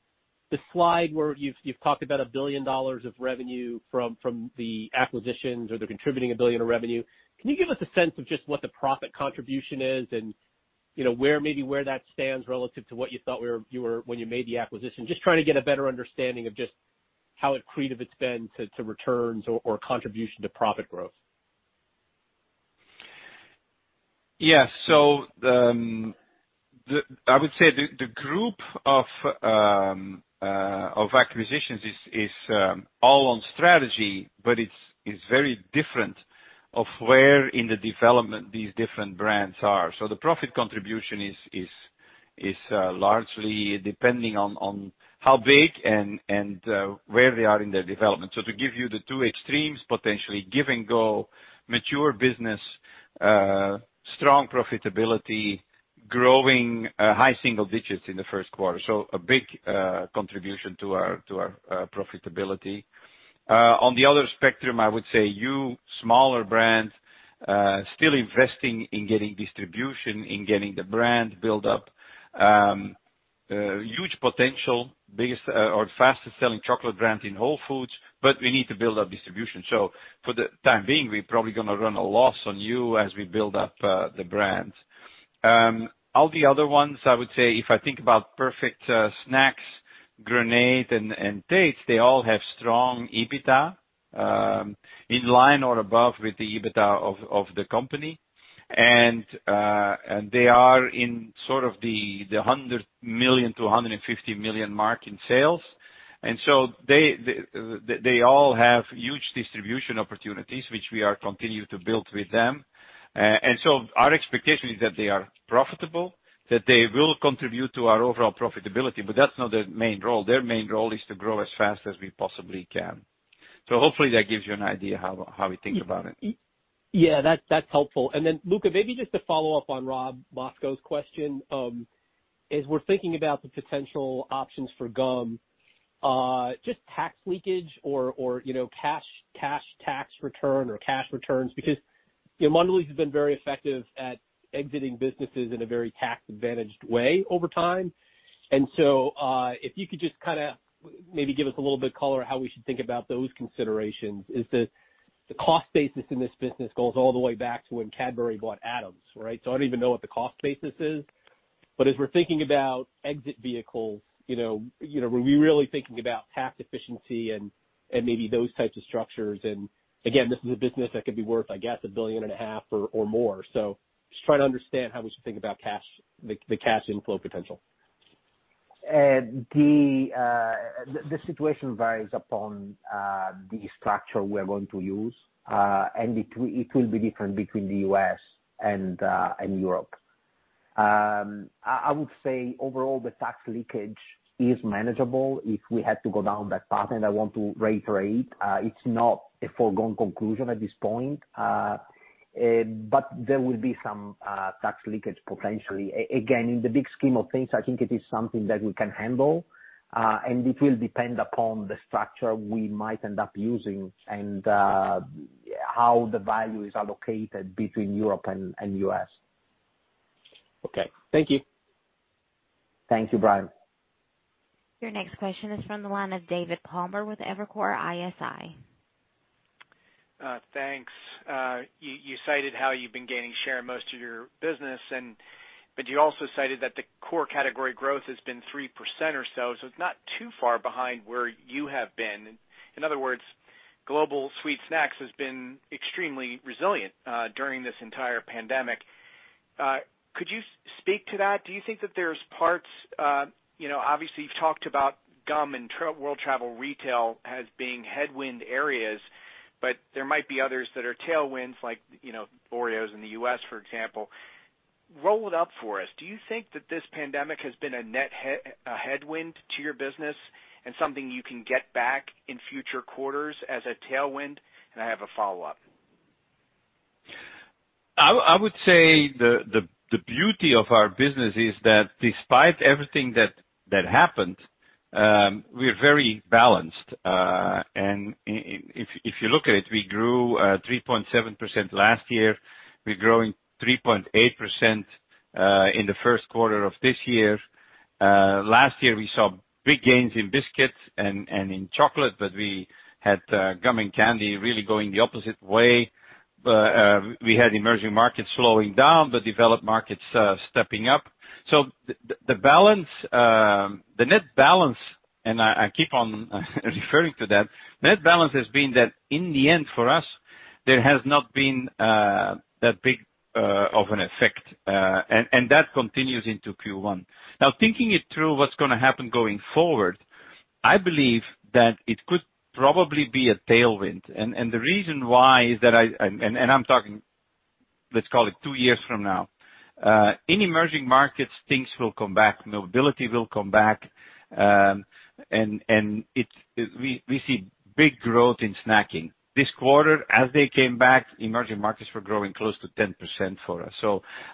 the slide where you've talked about $1 billion of revenue from the acquisitions or the contributing $1 billion of revenue. Can you give us a sense of just what the profit contribution is and maybe where that stands relative to what you thought when you made the acquisition? Just trying to get a better understanding of just how accretive it's been to returns or contribution to profit growth. Yeah. I would say the group of acquisitions is all on strategy, but it's very different of where in the development these different brands are. The profit contribution is largely depending on how big and where they are in their development. To give you the two extremes, potentially Give & Go, mature business, strong profitability, growing high single digits in the first quarter. A big contribution to our profitability. On the other spectrum, I would say Hu, smaller brands, still investing in getting distribution, in getting the brand build up. Huge potential, biggest or fastest-selling chocolate brand in Whole Foods, but we need to build up distribution. For the time being, we're probably going to run a loss on Hu as we build up the brand. All the other ones, I would say if I think about Perfect Snacks, Grenade and Tate. They all have strong EBITDA in line or above with the EBITDA of the company. They are in sort of the $100 million-$150 million mark in sales. They all have huge distribution opportunities, which we are continuing to build with them. Our expectation is that they are profitable, that they will contribute to our overall profitability, but that's not their main role. Their main role is to grow as fast as we possibly can. Hopefully that gives you an idea how we think about it. Yeah, that's helpful. Luca, maybe just to follow up on Robert Moskow's question. As we're thinking about the potential options for gum, just tax leakage or cash tax return or cash returns, because Mondelez has been very effective at exiting businesses in a very tax-advantaged way over time. If you could just maybe give us a little bit color how we should think about those considerations is that the cost basis in this business goes all the way back to when Cadbury bought Adams, right? I don't even know what the cost basis is, but as we're thinking about exit vehicles, were we really thinking about tax efficiency and maybe those types of structures, again, this is a business that could be worth, I guess, $1.5 billion or more. Just trying to understand how we should think about the cash inflow potential. The situation varies upon the structure we're going to use. It will be different between the U.S. and Europe. I would say overall the tax leakage is manageable if we had to go down that path, and I want to reiterate, it's not a foregone conclusion at this point. There will be some tax leakage potentially. Again, in the big scheme of things, I think it is something that we can handle, and it will depend upon the structure we might end up using and how the value is allocated between Europe and U.S. Okay. Thank you. Thank you, Bryan. Your next question is from the line of David Palmer with Evercore ISI. Thanks. You cited how you've been gaining share in most of your business. You also cited that the core category growth has been 3% or so. It's not too far behind where you have been. In other words, Global Sweet Snacks has been extremely resilient during this entire pandemic. Could you speak to that? Do you think that there's parts, obviously you've talked about gum and world travel retail as being headwind areas, but there might be others that are tailwinds like Oreo in the U.S., for example. Roll it up for us. Do you think that this pandemic has been a headwind to your business and something you can get back in future quarters as a tailwind? I have a follow-up. I would say the beauty of our business is that despite everything that happened, we're very balanced. If you look at it, we grew 3.7% last year. We're growing 3.8% in the first quarter of this year. Last year, we saw big gains in biscuits and in chocolate, but we had gum and candy really going the opposite way. We had emerging markets slowing down, but developed markets stepping up. The net balance, and I keep on referring to that, net balance has been that in the end for us, there has not been that big of an effect. That continues into Q1. Now thinking it through what's going to happen going forward, I believe that it could probably be a tailwind. The reason why is that, and I'm talking, let's call it two years from now. In emerging markets, things will come back. Nobility will come back. We see big growth in snacking. This quarter, as they came back, emerging markets were growing close to 10% for us.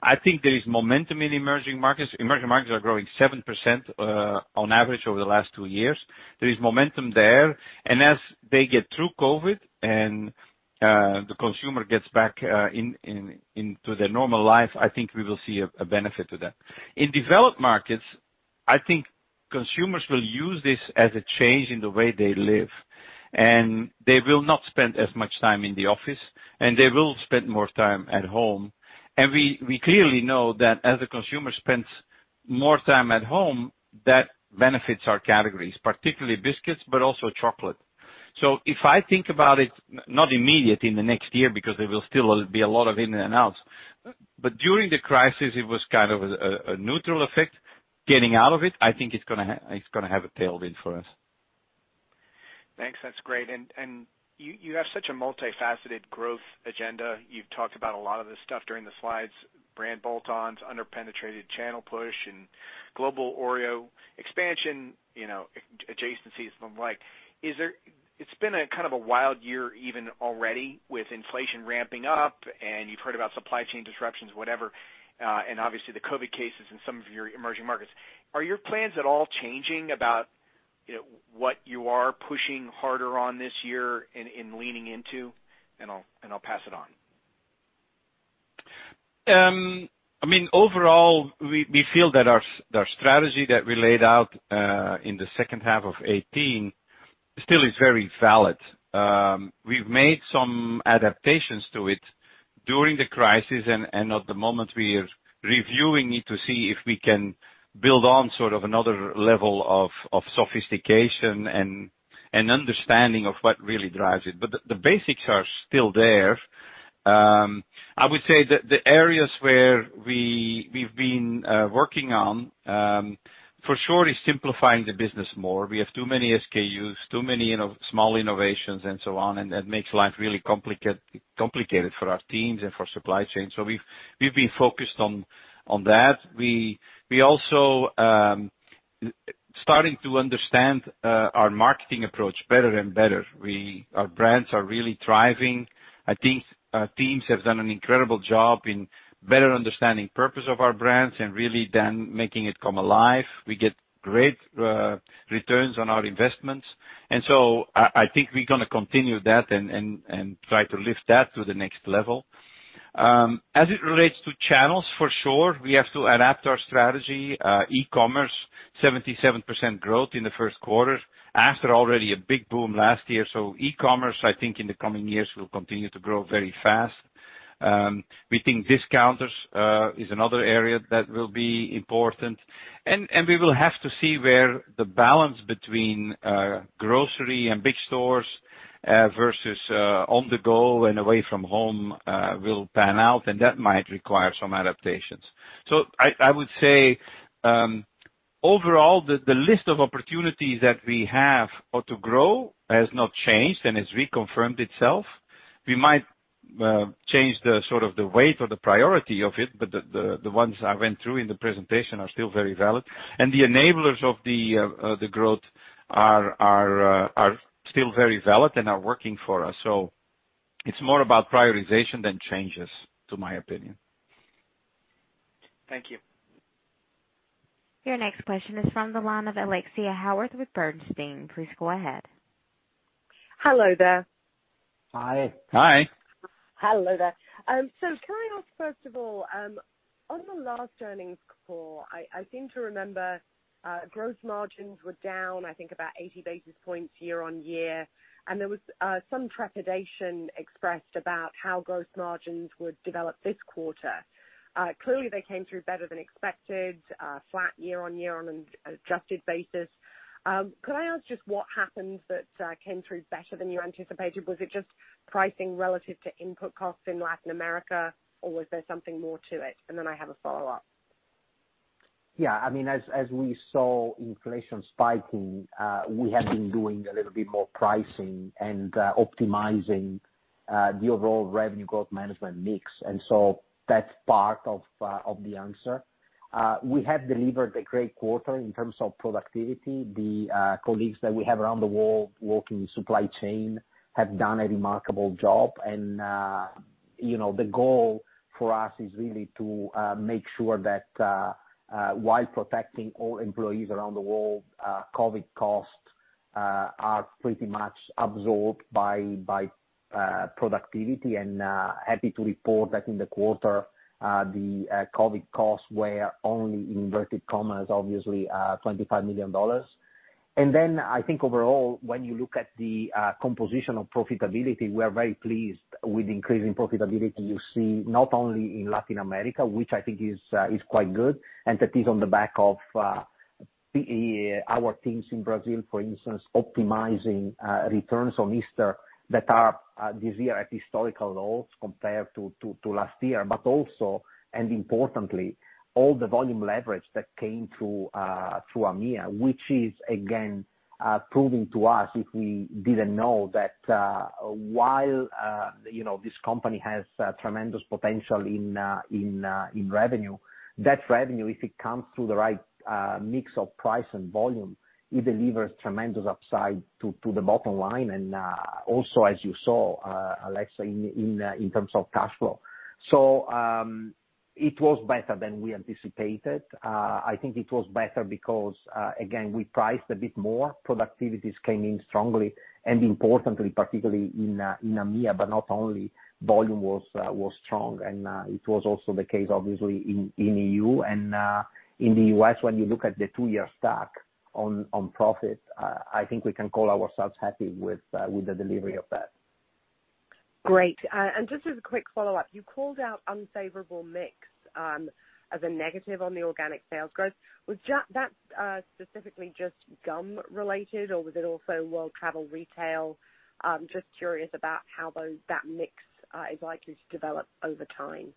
I think there is momentum in emerging markets. Emerging markets are growing 7% on average over the last two years. There is momentum there. As they get through COVID and the consumer gets back into their normal life, I think we will see a benefit to that. In developed markets, I think consumers will use this as a change in the way they live, and they will not spend as much time in the office, and they will spend more time at home. We clearly know that as a consumer spends more time at home, that benefits our categories, particularly biscuits, but also chocolate. If I think about it, not immediate in the next year because there will still be a lot of in and outs, but during the crisis, it was a neutral effect. Getting out of it, I think it's going to have a tailwind for us. Thanks. That's great. You have such a multifaceted growth agenda. You've talked about a lot of this stuff during the slides, brand bolt-ons, under-penetrated channel push, and global Oreo expansion, adjacencies and the like. It's been a kind of a wild year even already with inflation ramping up and you've heard about supply chain disruptions, whatever, and obviously the COVID cases in some of your emerging markets. Are your plans at all changing about what you are pushing harder on this year and leaning into? I'll pass it on. Overall, we feel that our strategy that we laid out in the second half of 2018 still is very valid. We've made some adaptations to it during the crisis. At the moment, we are reviewing it to see if we can build on sort of another level of sophistication and understanding of what really drives it. The basics are still there. I would say that the areas where we've been working on, for sure, is simplifying the business more. We have too many SKUs, too many small innovations and so on. That makes life really complicated for our teams and for supply chain. We've been focused on that. We are also starting to understand our marketing approach better and better. Our brands are really thriving. I think our teams have done an incredible job in better understanding purpose of our brands and really then making it come alive. We get great returns on our investments. I think we're going to continue that and try to lift that to the next level. As it relates to channels, for sure, we have to adapt our strategy. E-commerce, 77% growth in the first quarter after already a big boom last year. E-commerce, I think in the coming years will continue to grow very fast. We think discounters is another area that will be important, and we will have to see where the balance between grocery and big stores, versus on the go and away from home, will pan out, and that might require some adaptations. I would say, overall, the list of opportunities that we have or to grow has not changed and has reconfirmed itself. We might change the sort of the weight or the priority of it. The ones I went through in the presentation are still very valid, and the enablers of the growth are still very valid and are working for us. It's more about prioritization than changes, to my opinion. Thank you. Your next question is from the line of Alexia Howard with Bernstein. Please go ahead. Hello there. Hi. Hi. Hello there. Can I ask first of all, on the last earnings call, I seem to remember gross margins were down, I think, about 80 basis points year-on-year, and there was some trepidation expressed about how gross margins would develop this quarter. Clearly, they came through better than expected, flat year-on-year on an adjusted basis. Could I ask just what happened that came through better than you anticipated? Was it just pricing relative to input costs in Latin America, or was there something more to it? Then I have a follow-up. Yeah. As we saw inflation spiking, we have been doing a little bit more pricing and optimizing the overall revenue growth management mix. That's part of the answer. We have delivered a great quarter in terms of productivity. The colleagues that we have around the world working supply chain have done a remarkable job. The goal for us is really to make sure that, while protecting all employees around the world, COVID costs are pretty much absorbed by productivity and happy to report that in the quarter, the COVID costs were only in inverted commas, obviously, $25 million. I think overall, when you look at the composition of profitability, we are very pleased with increasing profitability you see, not only in Latin America, which I think is quite good, and that is on the back of our teams in Brazil, for instance, optimizing returns on Easter that are this year at historical lows compared to last year. Also, and importantly, all the volume leverage that came through AMEA, which is again proving to us, if we didn't know that while this company has tremendous potential in revenue, that revenue, if it comes through the right mix of price and volume, it delivers tremendous upside to the bottom line and also as you saw, Alexia, in terms of cash flow. It was better than we anticipated. I think it was better because, again, we priced a bit more. Productivities came in strongly and importantly, particularly in AMEA, but not only volume was strong and it was also the case obviously in EU and in the U.S. when you look at the two-year stack on profit, I think we can call ourselves happy with the delivery of that. Great. Just as a quick follow-up, you called out unfavorable mix, as a negative on the organic sales growth. Was that specifically just gum related or was it also world travel retail? Just curious about how that mix is likely to develop over time.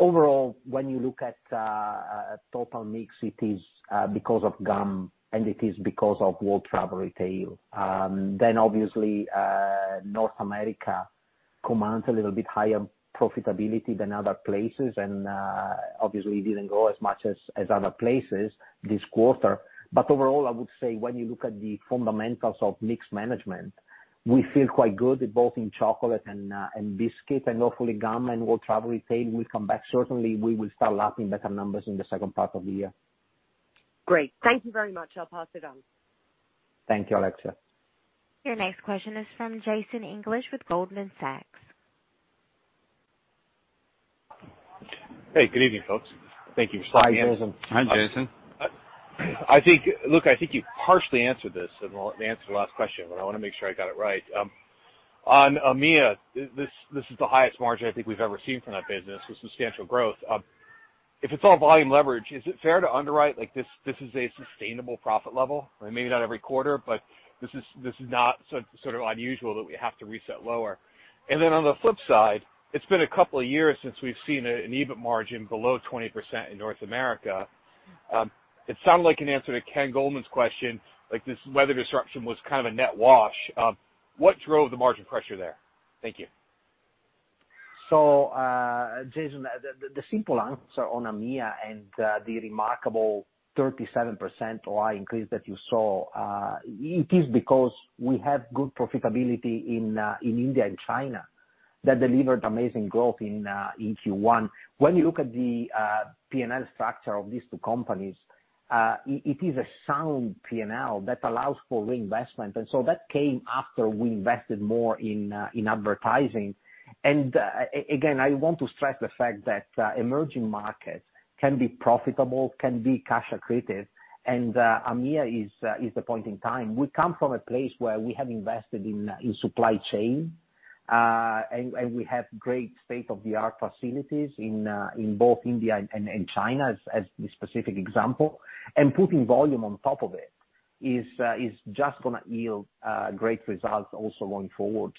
Overall, when you look at total mix, it is because of gum and it is because of world travel retail. Obviously, North America commands a little bit higher profitability than other places and obviously didn't grow as much as other places this quarter. Overall, I would say when you look at the fundamentals of mix management, we feel quite good both in chocolate and biscuit and hopefully gum and world travel retail will come back. Certainly, we will start locking better numbers in the second part of the year. Great. Thank you very much. I'll pass it on. Thank you, Alexia. Your next question is from Jason English with Goldman Sachs. Hey, good evening, folks. Hi, Jason. Hi, Jason. Look, I think you partially answered this in the answer to the last question. I want to make sure I got it right. On AMEA, this is the highest margin I think we've ever seen from that business with substantial growth. If it's all volume leverage, is it fair to underwrite like this is a sustainable profit level? Maybe not every quarter. This is not sort of unusual that we have to reset lower. On the flip side, it's been a couple of years since we've seen an EBIT margin below 20% in North America. It sounded like an answer to Ken Goldman's question, like this weather disruption was kind of a net wash. What drove the margin pressure there? Thank you. Jason, the simple answer on AMEA and the remarkable 37% OI increase that you saw, it is because we have good profitability in India and China that delivered amazing growth in Q1. When you look at the P&L structure of these two companies, it is a sound P&L that allows for reinvestment. That came after we invested more in advertising. Again, I want to stress the fact that emerging markets can be profitable, can be cash accretive, and AMEA is the point in time. We come from a place where we have invested in supply chain, and we have great state-of-the-art facilities in both India and China as the specific example. Putting volume on top of it is just going to yield great results also going forward.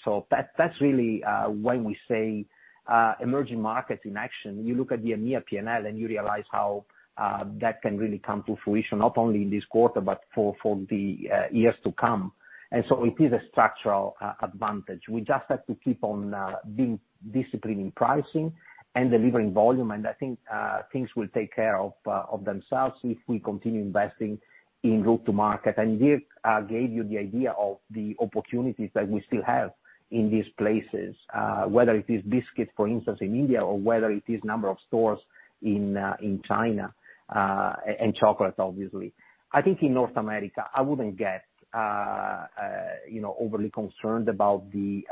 That's really when we say emerging markets in action. You look at the AMEA P&L, and you realize how that can really come to fruition, not only in this quarter, but for the years to come. It is a structural advantage. We just have to keep on being disciplined in pricing and delivering volume. I think things will take care of themselves if we continue investing in go-to-market. Dirk gave you the idea of the opportunities that we still have in these places. Whether it is biscuits, for instance, in India, or whether it is number of stores in China, and chocolate, obviously. I think in North America, I wouldn't get overly concerned about the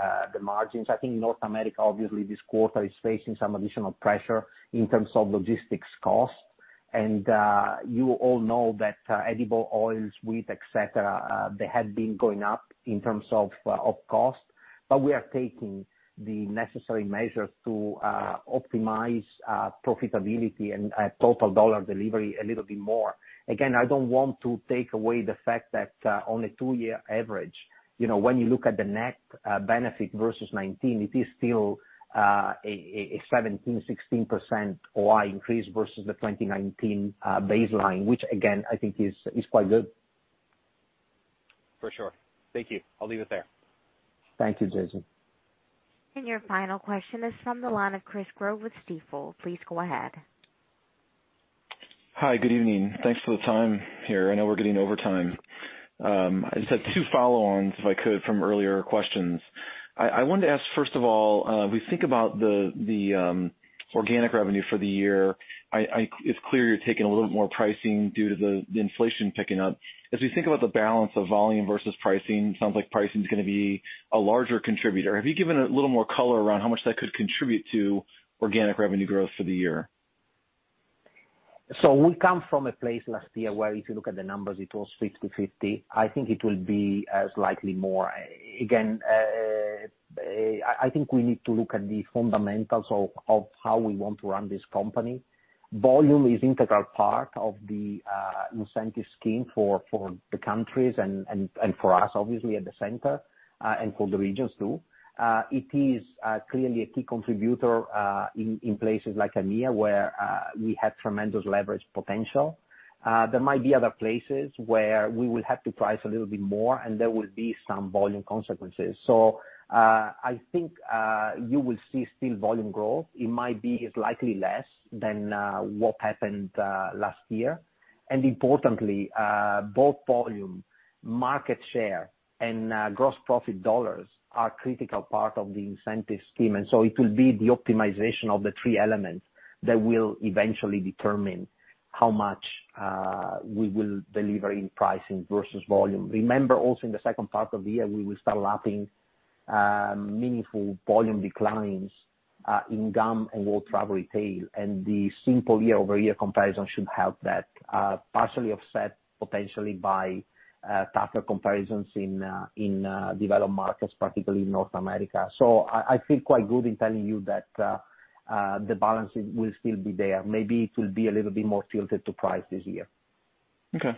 margins. I think North America, obviously, this quarter is facing some additional pressure in terms of logistics cost. You all know that edible oils, wheat, et cetera, they had been going up in terms of cost. We are taking the necessary measures to optimize profitability and total dollar delivery a little bit more. Again, I don't want to take away the fact that on a two-year average, when you look at the net benefit versus 2019, it is still a 17, 16% OI increase versus the 2019 baseline, which again, I think is quite good. For sure. Thank you. I'll leave it there. Thank you, Jason. Your final question is from the line of Chris Growe with Stifel. Please go ahead. Hi. Good evening. Thanks for the time here. I know we're getting overtime. I just have two follow-ons, if I could, from earlier questions. I wanted to ask, first of all, we think about the organic revenue for the year. It's clear you're taking a little bit more pricing due to the inflation picking up. We think about the balance of volume versus pricing, sounds like pricing is going to be a larger contributor. Have you given a little more color around how much that could contribute to organic revenue growth for the year? We come from a place last year where if you look at the numbers, it was 50/50. I think it will be slightly more. Again, I think we need to look at the fundamentals of how we want to run this company. Volume is integral part of the incentive scheme for the countries and for us, obviously, at the center, and for the regions, too. It is clearly a key contributor in places like AMEA, where we had tremendous leverage potential. There might be other places where we will have to price a little bit more, and there will be some volume consequences. I think you will see still volume growth. It might be slightly less than what happened last year. Importantly, both volume, market share, and gross profit dollars are a critical part of the incentive scheme. It will be the optimization of the three elements that will eventually determine how much we will deliver in pricing versus volume. Remember also in the second part of the year, we will start lapping meaningful volume declines in gum and worldwide travel retail, and the simple year-over-year comparison should help that, partially offset potentially by tougher comparisons in developed markets, particularly in North America. I feel quite good in telling you that the balance will still be there. Maybe it will be a little bit more tilted to price this year. Okay.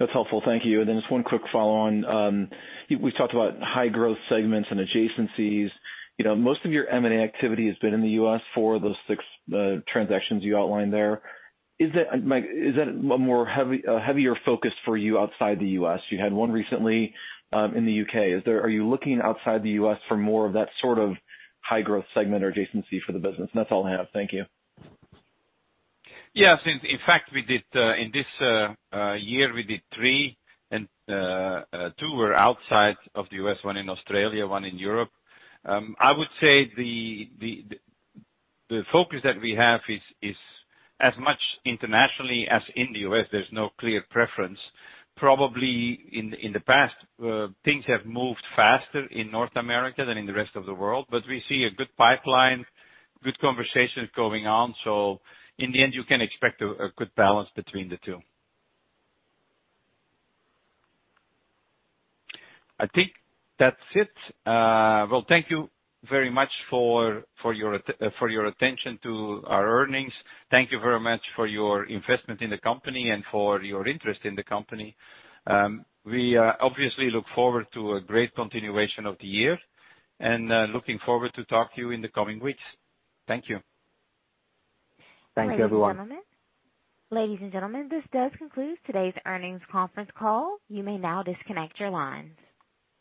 That's helpful. Thank you. Just one quick follow-on. We've talked about high growth segments and adjacencies. Most of your M&A activity has been in the U.S. for those six transactions you outlined there. Is that a heavier focus for you outside the U.S.? You had one recently in the U.K. Are you looking outside the U.S. for more of that sort of high growth segment or adjacency for the business? That's all I have. Thank you. In fact, in this year, we did three, and two were outside of the U.S., one in Australia, one in Europe. I would say the focus that we have is as much internationally as in the U.S. There's no clear preference. Probably in the past, things have moved faster in North America than in the rest of the world, we see a good pipeline, good conversations going on. In the end, you can expect a good balance between the two. I think that's it. Well, thank you very much for your attention to our earnings. Thank you very much for your investment in the company and for your interest in the company. We obviously look forward to a great continuation of the year and looking forward to talk to you in the coming weeks. Thank you. Thank you, everyone. Ladies and gentlemen, this does conclude today's earnings conference call. You may now disconnect your lines.